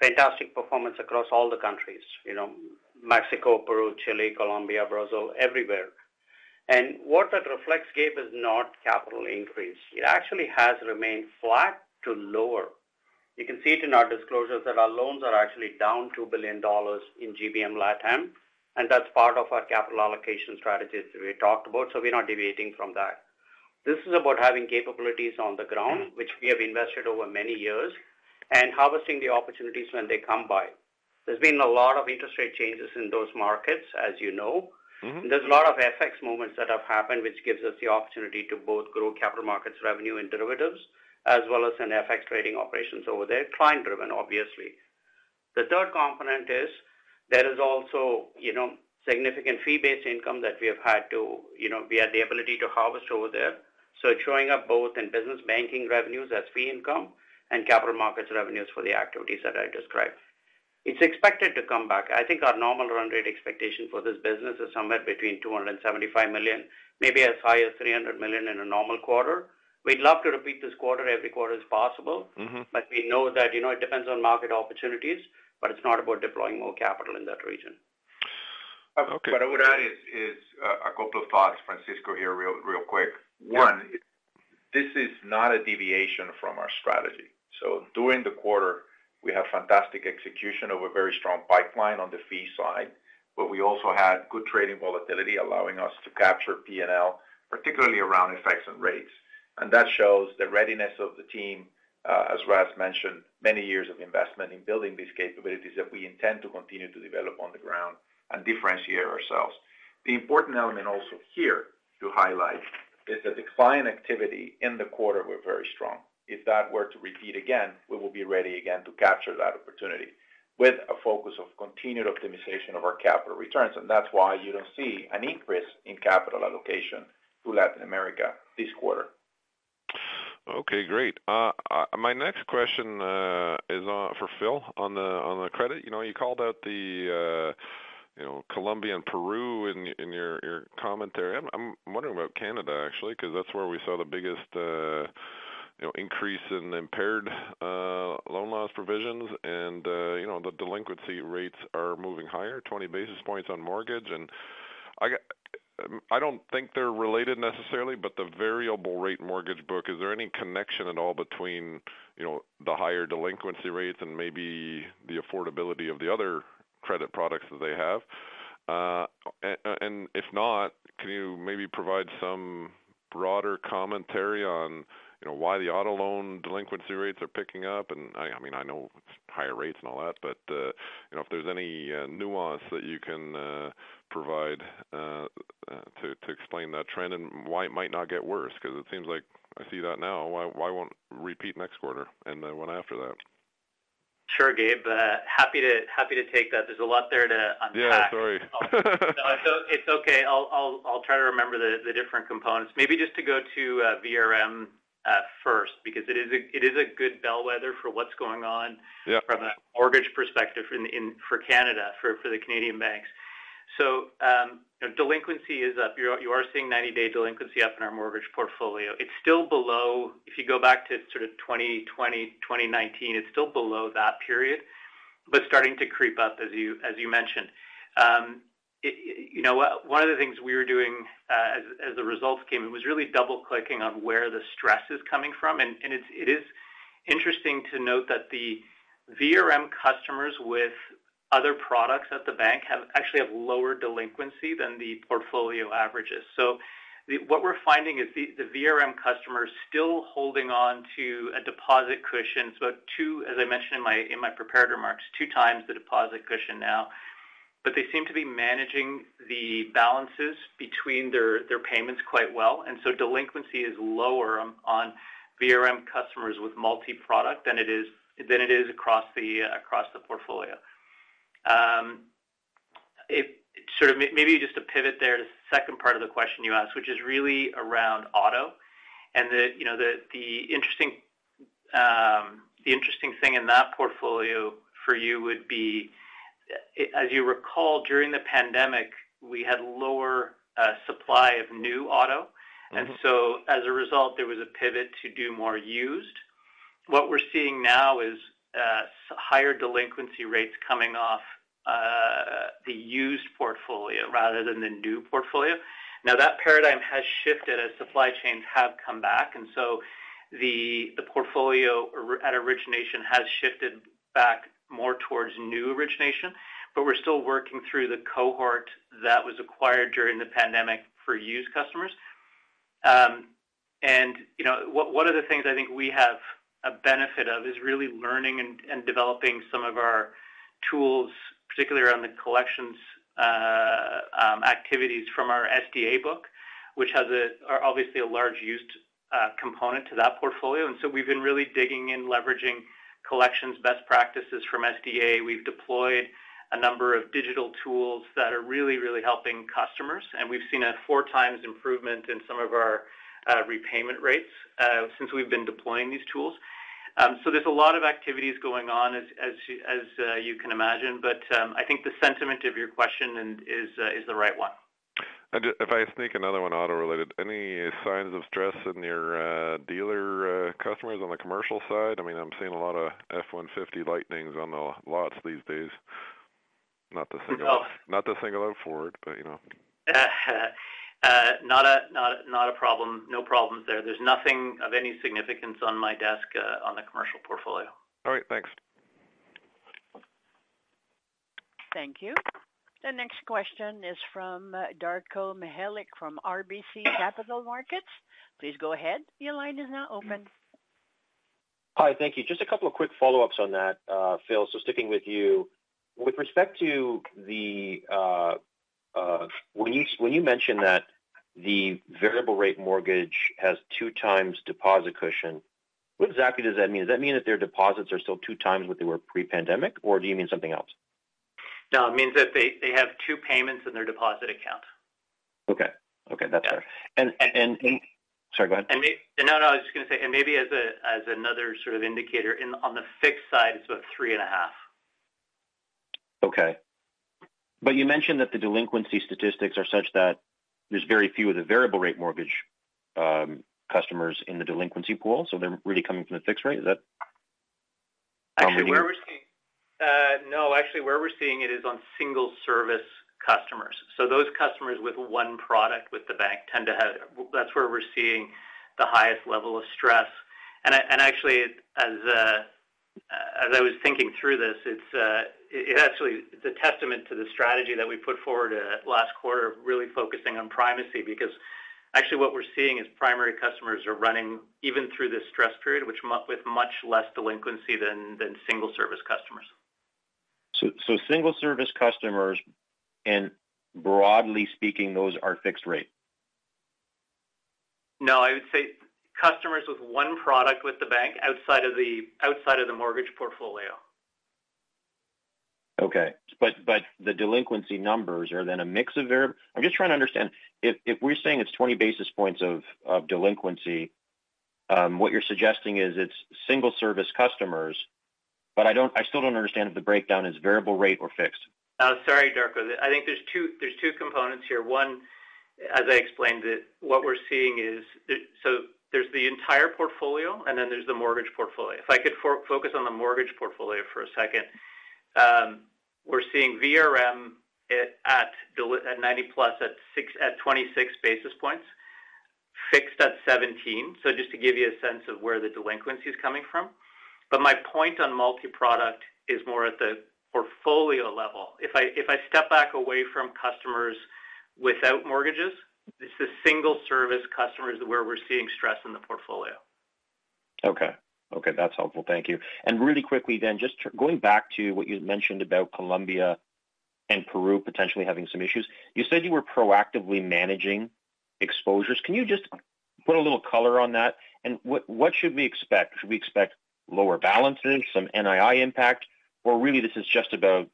Fantastic performance across all the countries, you know, Mexico, Peru, Chile, Colombia, Brazil, everywhere. And what that reflects, Gabe, is not capital increase. It actually has remained flat to lower. You can see it in our disclosures that our loans are actually down 2 billion dollars in GBM LatAm, and that's part of our capital allocation strategies we talked about, so we're not deviating from that. This is about having capabilities on the ground, which we have invested over many years, and harvesting the opportunities when they come by. There's been a lot of interest rate changes in those markets, as you know. Mm-hmm. There's a lot of FX movements that have happened, which gives us the opportunity to both grow capital markets revenue and derivatives, as well as in FX trading operations over there, client-driven, obviously. The third component is there is also significant fee-based income that we have had to... We had the ability to harvest over there, so it's showing up both in business banking revenues as fee income and capital markets revenues for the activities that I described. It's expected to come back. I think our normal run rate expectation for this business is somewhere between 275 million, maybe as high as 300 million in a normal quarter. We'd love to repeat this quarter every quarter as possible- Mm-hmm. but we know that, you know, it depends on market opportunities, but it's not about deploying more capital in that region. Okay. What I would add is a couple of thoughts, Francisco, here, real, real quick. One, this is not a deviation from our strategy. So during the quarter, we have fantastic execution of a very strong pipeline on the fee side, but we also had good trading volatility, allowing us to capture PNL, particularly around FX and rates. And that shows the readiness of the team-... as Raj mentioned, many years of investment in building these capabilities that we intend to continue to develop on the ground and differentiate ourselves. The important element also here to highlight is that the client activity in the quarter were very strong. If that were to repeat again, we will be ready again to capture that opportunity with a focus of continued optimization of our capital returns, and that's why you don't see an increase in capital allocation to Latin America this quarter. Okay, great. My next question is for Phil on the credit. You know, you called out the, you know, Colombia and Peru in your commentary. I'm wondering about Canada, actually, because that's where we saw the biggest, you know, increase in impaired loan loss provisions. And you know, the delinquency rates are moving higher, 20 basis points on mortgage. And I don't think they're related necessarily, but the variable rate mortgage book, is there any connection at all between, you know, the higher delinquency rates and maybe the affordability of the other credit products that they have? And if not, can you maybe provide some broader commentary on, you know, why the auto loan delinquency rates are picking up? And, I mean, I know it's higher rates and all that, but, you know, if there's any nuance that you can provide to explain that trend and why it might not get worse, because it seems like I see that now. Why, why won't repeat next quarter and the one after that? Sure, Gabe. Happy to take that. There's a lot there to unpack. Yeah, sorry. No, it's okay. I'll try to remember the different components. Maybe just to go to VRM first, because it is a good bellwether for what's going on- Yeah... from a mortgage perspective in Canada for the Canadian Banks. So, delinquency is up. You are seeing 90-day delinquency up in our mortgage portfolio. It's still below... If you go back to sort of 2020, 2019, it's still below that period, but starting to creep up, as you mentioned. You know, one of the things we were doing, as the results came in, was really double-clicking on where the stress is coming from. And it is interesting to note that the VRM customers with other products at the bank actually have lower delinquency than the portfolio averages. So what we're finding is the VRM customers still holding on to a deposit cushion. So two, as I mentioned in my prepared remarks, two times the deposit cushion now. But they seem to be managing the balances between their, their payments quite well, and so delinquency is lower on VRM customers with multi-product than it is, than it is across the, across the portfolio. It sort of—maybe just to pivot there to the second part of the question you asked, which is really around auto and the, you know, the interesting thing in that portfolio for you would be, as you recall, during the pandemic, we had lower, supply of new auto. Mm-hmm. As a result, there was a pivot to do more used. What we're seeing now is higher delinquency rates coming off the used portfolio rather than the new portfolio. Now, that paradigm has shifted as supply chains have come back, and so the portfolio at origination has shifted back more towards new origination. But we're still working through the cohort that was acquired during the pandemic for used customers. And you know, one of the things I think we have a benefit of is really learning and developing some of our tools, particularly around the collections activities from our SDA book, which has obviously a large used component to that portfolio. And so we've been really digging in, leveraging collections best practices from SDA. We've deployed a number of digital tools that are really, really helping customers, and we've seen a 4x improvement in some of our repayment rates since we've been deploying these tools. So there's a lot of activities going on, as you can imagine, but I think the sentiment of your question and is the right one. If I sneak another one, auto-related, any signs of stress in your dealer customers on the commercial side? I mean, I'm seeing a lot of F-150 Lightnings on the lots these days. Not to single out- Oh. Not to single out Ford, but, you know. Not a problem. No problems there. There's nothing of any significance on my desk, on the commercial portfolio. All right, thanks. Thank you. The next question is from Darko Mihelic, from RBC Capital Markets. Please go ahead. Your line is now open. Hi, thank you. Just a couple of quick follow-ups on that, Phil, so sticking with you. With respect to the, when you, when you mentioned that the variable rate mortgage has two times deposit cushion, what exactly does that mean? Does that mean that their deposits are still two times what they were pre-pandemic, or do you mean something else? No, it means that they have two payments in their deposit account. Okay. Okay, that's fair. Yeah. Sorry, go ahead. No, no, I was just going to say, and maybe as a, as another sort of indicator, in, on the fixed side, it's about three and a half. Okay. But you mentioned that the delinquency statistics are such that there's very few of the variable rate mortgage customers in the delinquency pool, so they're really coming from the fixed rate. Is that how you mean? Actually, where we're seeing it is on single service customers. So those customers with one product with the bank tend to have – that's where we're seeing the highest level of stress. And actually, as I was thinking through this, it's, it actually, it's a testament to the strategy that we put forward last quarter of really focusing on primacy, because actually what we're seeing is primary customers are running even through this stress period, which – with much less delinquency than single service customers. So, single service customers, and broadly speaking, those are fixed rate? No, I would say customers with one product with the bank outside of the, outside of the mortgage portfolio. Okay, but the delinquency numbers are then a mix. I'm just trying to understand. If we're saying it's 20 basis points of delinquency, what you're suggesting is it's single service customers, but I don't—I still don't understand if the breakdown is variable rate or fixed. Sorry, Darko. I think there's two components here. One, as I explained it, what we're seeing is. So there's the entire portfolio, and then there's the mortgage portfolio. If I could focus on the mortgage portfolio for a second. We're seeing VRM at delinquency at 90+, at 26 basis points, fixed at 17. So just to give you a sense of where the delinquency is coming from. But my point on multi-product is more at the portfolio level. If I step back away from customers without mortgages, it's the single service customers where we're seeing stress in the portfolio. Okay. Okay, that's helpful. Thank you. And really quickly then, just going back to what you mentioned about Colombia and Peru potentially having some issues. You said you were proactively managing exposures. Can you just put a little color on that? And what, what should we expect? Should we expect lower balances, some NII impact, or really, this is just about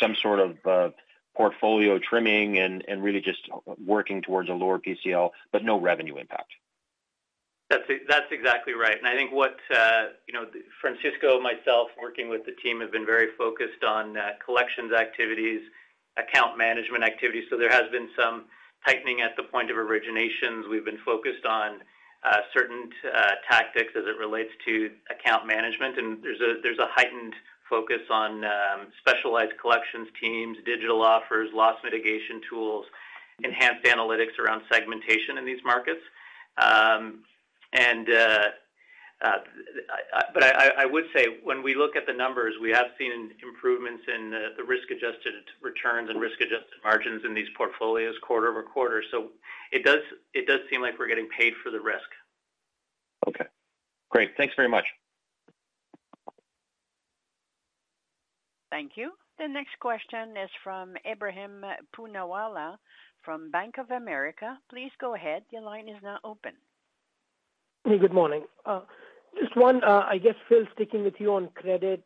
some sort of, portfolio trimming and, and really just working towards a lower PCL, but no revenue impact? That's, that's exactly right. And I think what, you know, Francisco, myself, working with the team, have been very focused on collections activities, account management activities, so there has been some tightening at the point of originations. We've been focused on certain tactics as it relates to account management, and there's a, there's a heightened focus on specialized collections teams, digital offers, loss mitigation tools, enhanced analytics around segmentation in these markets. And but I, I would say when we look at the numbers, we have seen improvements in the risk-adjusted returns and risk-adjusted margins in these portfolios quarter-over-quarter. So it does, it does seem like we're getting paid for the risk. Okay, great. Thanks very much. Thank you. The next question is from Ebrahim Poonawala, from Bank of America. Please go ahead. Your line is now open. Good morning. Just one, I guess, Phil, sticking with you on credit.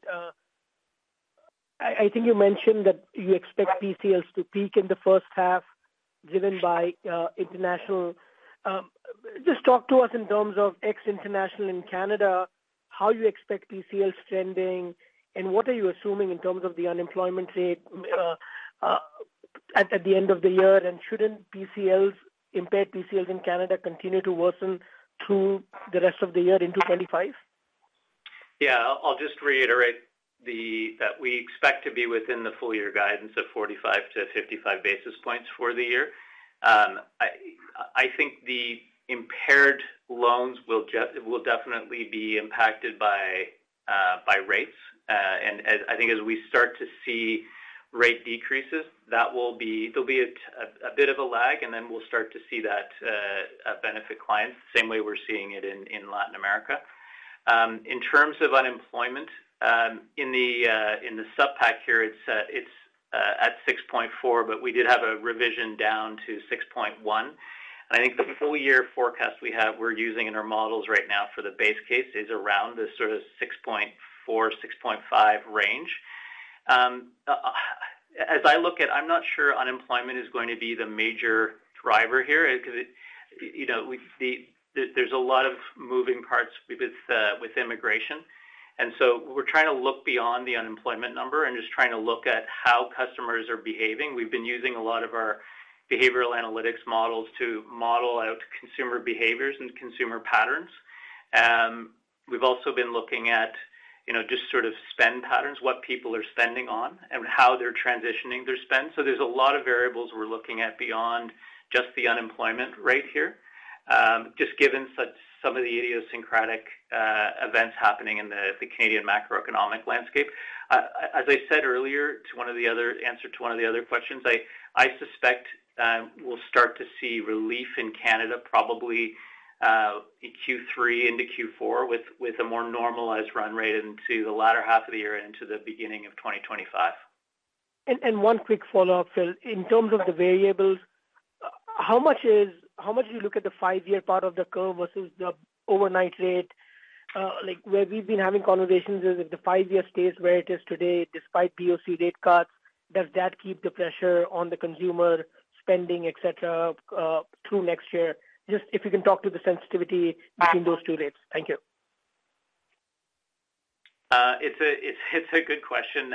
I think you mentioned that you expect PCLs to peak in the first half, driven by international. Just talk to us in terms of ex international in Canada, how you expect PCLs trending, and what are you assuming in terms of the unemployment rate at the end of the year? And shouldn't PCLs, impaired PCLs in Canada, continue to worsen through the rest of the year into 2025? Yeah. I'll just reiterate that we expect to be within the full year guidance of 45-55 basis points for the year. I think the impaired loans will definitely be impacted by rates. And as we start to see rate decreases, that there'll be a bit of a lag, and then we'll start to see that benefit clients, same way we're seeing it in Latin America. In terms of unemployment, in the supp pack here, it's at 6.4%, but we did have a revision down to 6.1%. And I think the full year forecast we have, we're using in our models right now for the base case, is around the sort of 6.4%-6.5% range. As I look at, I'm not sure unemployment is going to be the major driver here, because it, you know, we see there's a lot of moving parts with immigration, and so we're trying to look beyond the unemployment number and just trying to look at how customers are behaving. We've been using a lot of our behavioral analytics models to model out consumer behaviors and consumer patterns. We've also been looking at, you know, just sort of spend patterns, what people are spending on and how they're transitioning their spend. So there's a lot of variables we're looking at beyond just the unemployment rate here, just given some of the idiosyncratic events happening in the Canadian macroeconomic landscape. As I said earlier in answer to one of the other questions, I suspect we'll start to see relief in Canada, probably in Q3 into Q4, with a more normalized run rate into the latter half of the year and into the beginning of 2025. One quick follow-up, Phil. In terms of the variables, how much do you look at the five-year part of the curve versus the overnight rate? Like, where we've been having conversations, is if the five-year stays where it is today, despite BOC rate cuts, does that keep the pressure on the consumer spending, et cetera, through next year? Just if you can talk to the sensitivity between those two rates. Thank you. It's a good question.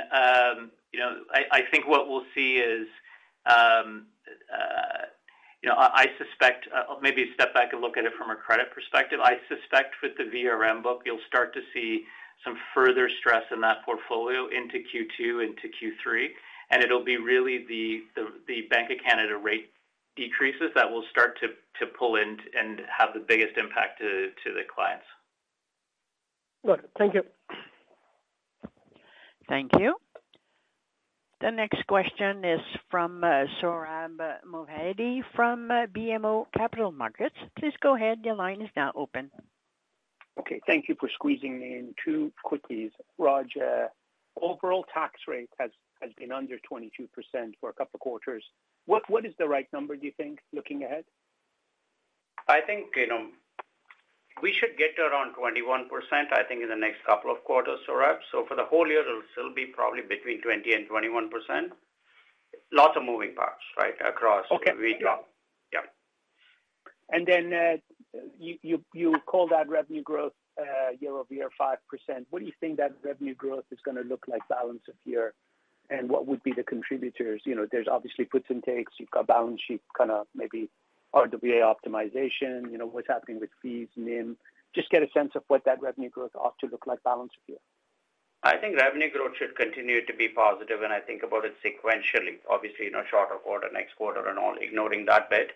You know, I think what we'll see is, you know, I suspect... Maybe a step back and look at it from a credit perspective. I suspect with the VRM book, you'll start to see some further stress in that portfolio into Q2, into Q3, and it'll be really the Bank of Canada rate- ... decreases that will start to pull in and have the biggest impact to the clients. Good. Thank you. Thank you. The next question is from, Sohrab Movahedi, from BMO Capital Markets. Please go ahead. Your line is now open. Okay, thank you for squeezing me in. Two quickies. Raj, overall tax rate has been under 22% for a couple quarters. What is the right number, do you think, looking ahead? I think, you know, we should get to around 21%, I think, in the next couple of quarters, Sohrab. So for the whole year, it'll still be probably between 20% and 21%. Lots of moving parts, right, across- Okay. Yeah. Then, you call that revenue growth year-over-year 5%. What do you think that revenue growth is gonna look like balance of year? And what would be the contributors? You know, there's obviously puts and takes. You've got balance sheet, kind of maybe RWA optimization. You know, what's happening with fees, NIM. Just get a sense of what that revenue growth ought to look like balance of year. I think revenue growth should continue to be positive, and I think about it sequentially, obviously, you know, shorter quarter, next quarter, and all, ignoring that bit.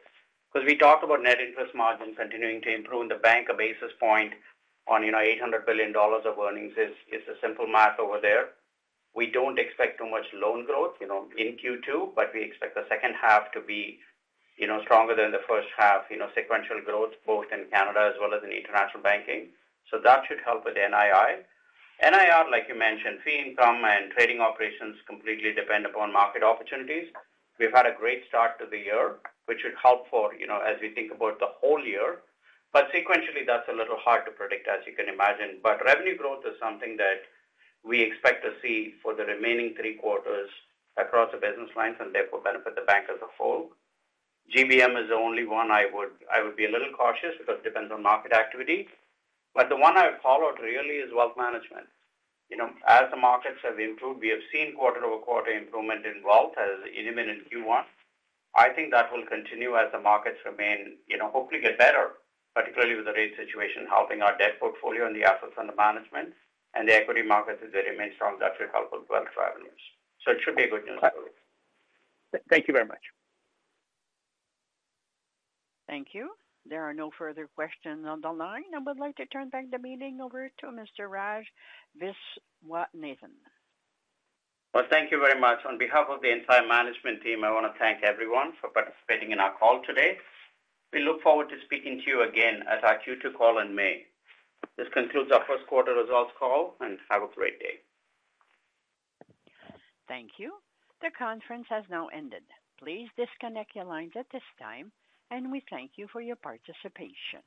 Because we talked about net interest margins continuing to improve in the bank, a basis point on, you know, 800 billion dollars of earnings is, is a simple math over there. We don't expect too much loan growth, you know, in Q2, but we expect the second half to be, you know, stronger than the first half, you know, sequential growth both in Canada as well as in International Banking. So that should help with NII. NIR, like you mentioned, fee income and trading operations completely depend upon market opportunities. We've had a great start to the year, which should help for, you know, as we think about the whole year, but sequentially, that's a little hard to predict, as you can imagine. But revenue growth is something that we expect to see for the remaining three quarters across the business lines and, therefore, benefit the bank as a whole. GBM is the only one I would be a little cautious because it depends on market activity. But the one I followed really is wealth management. You know, as the markets have improved, we have seen quarter-over-quarter improvement in wealth, as evident in Q1. I think that will continue as the markets remain, you know, hopefully get better, particularly with the rate situation helping our debt portfolio and the assets under management, and the equity markets, as they remain strong, that should help with wealth revenues. It should be a good news. Thank you very much. Thank you. There are no further questions on the line. I would like to turn back the meeting over to Mr. Raj Viswanathan. Well, thank you very much. On behalf of the entire management team, I want to thank everyone for participating in our call today. We look forward to speaking to you again at our Q2 call in May. This concludes our first quarter results call, and have a great day. Thank you. The conference has now ended. Please disconnect your lines at this time, and we thank you for your participation.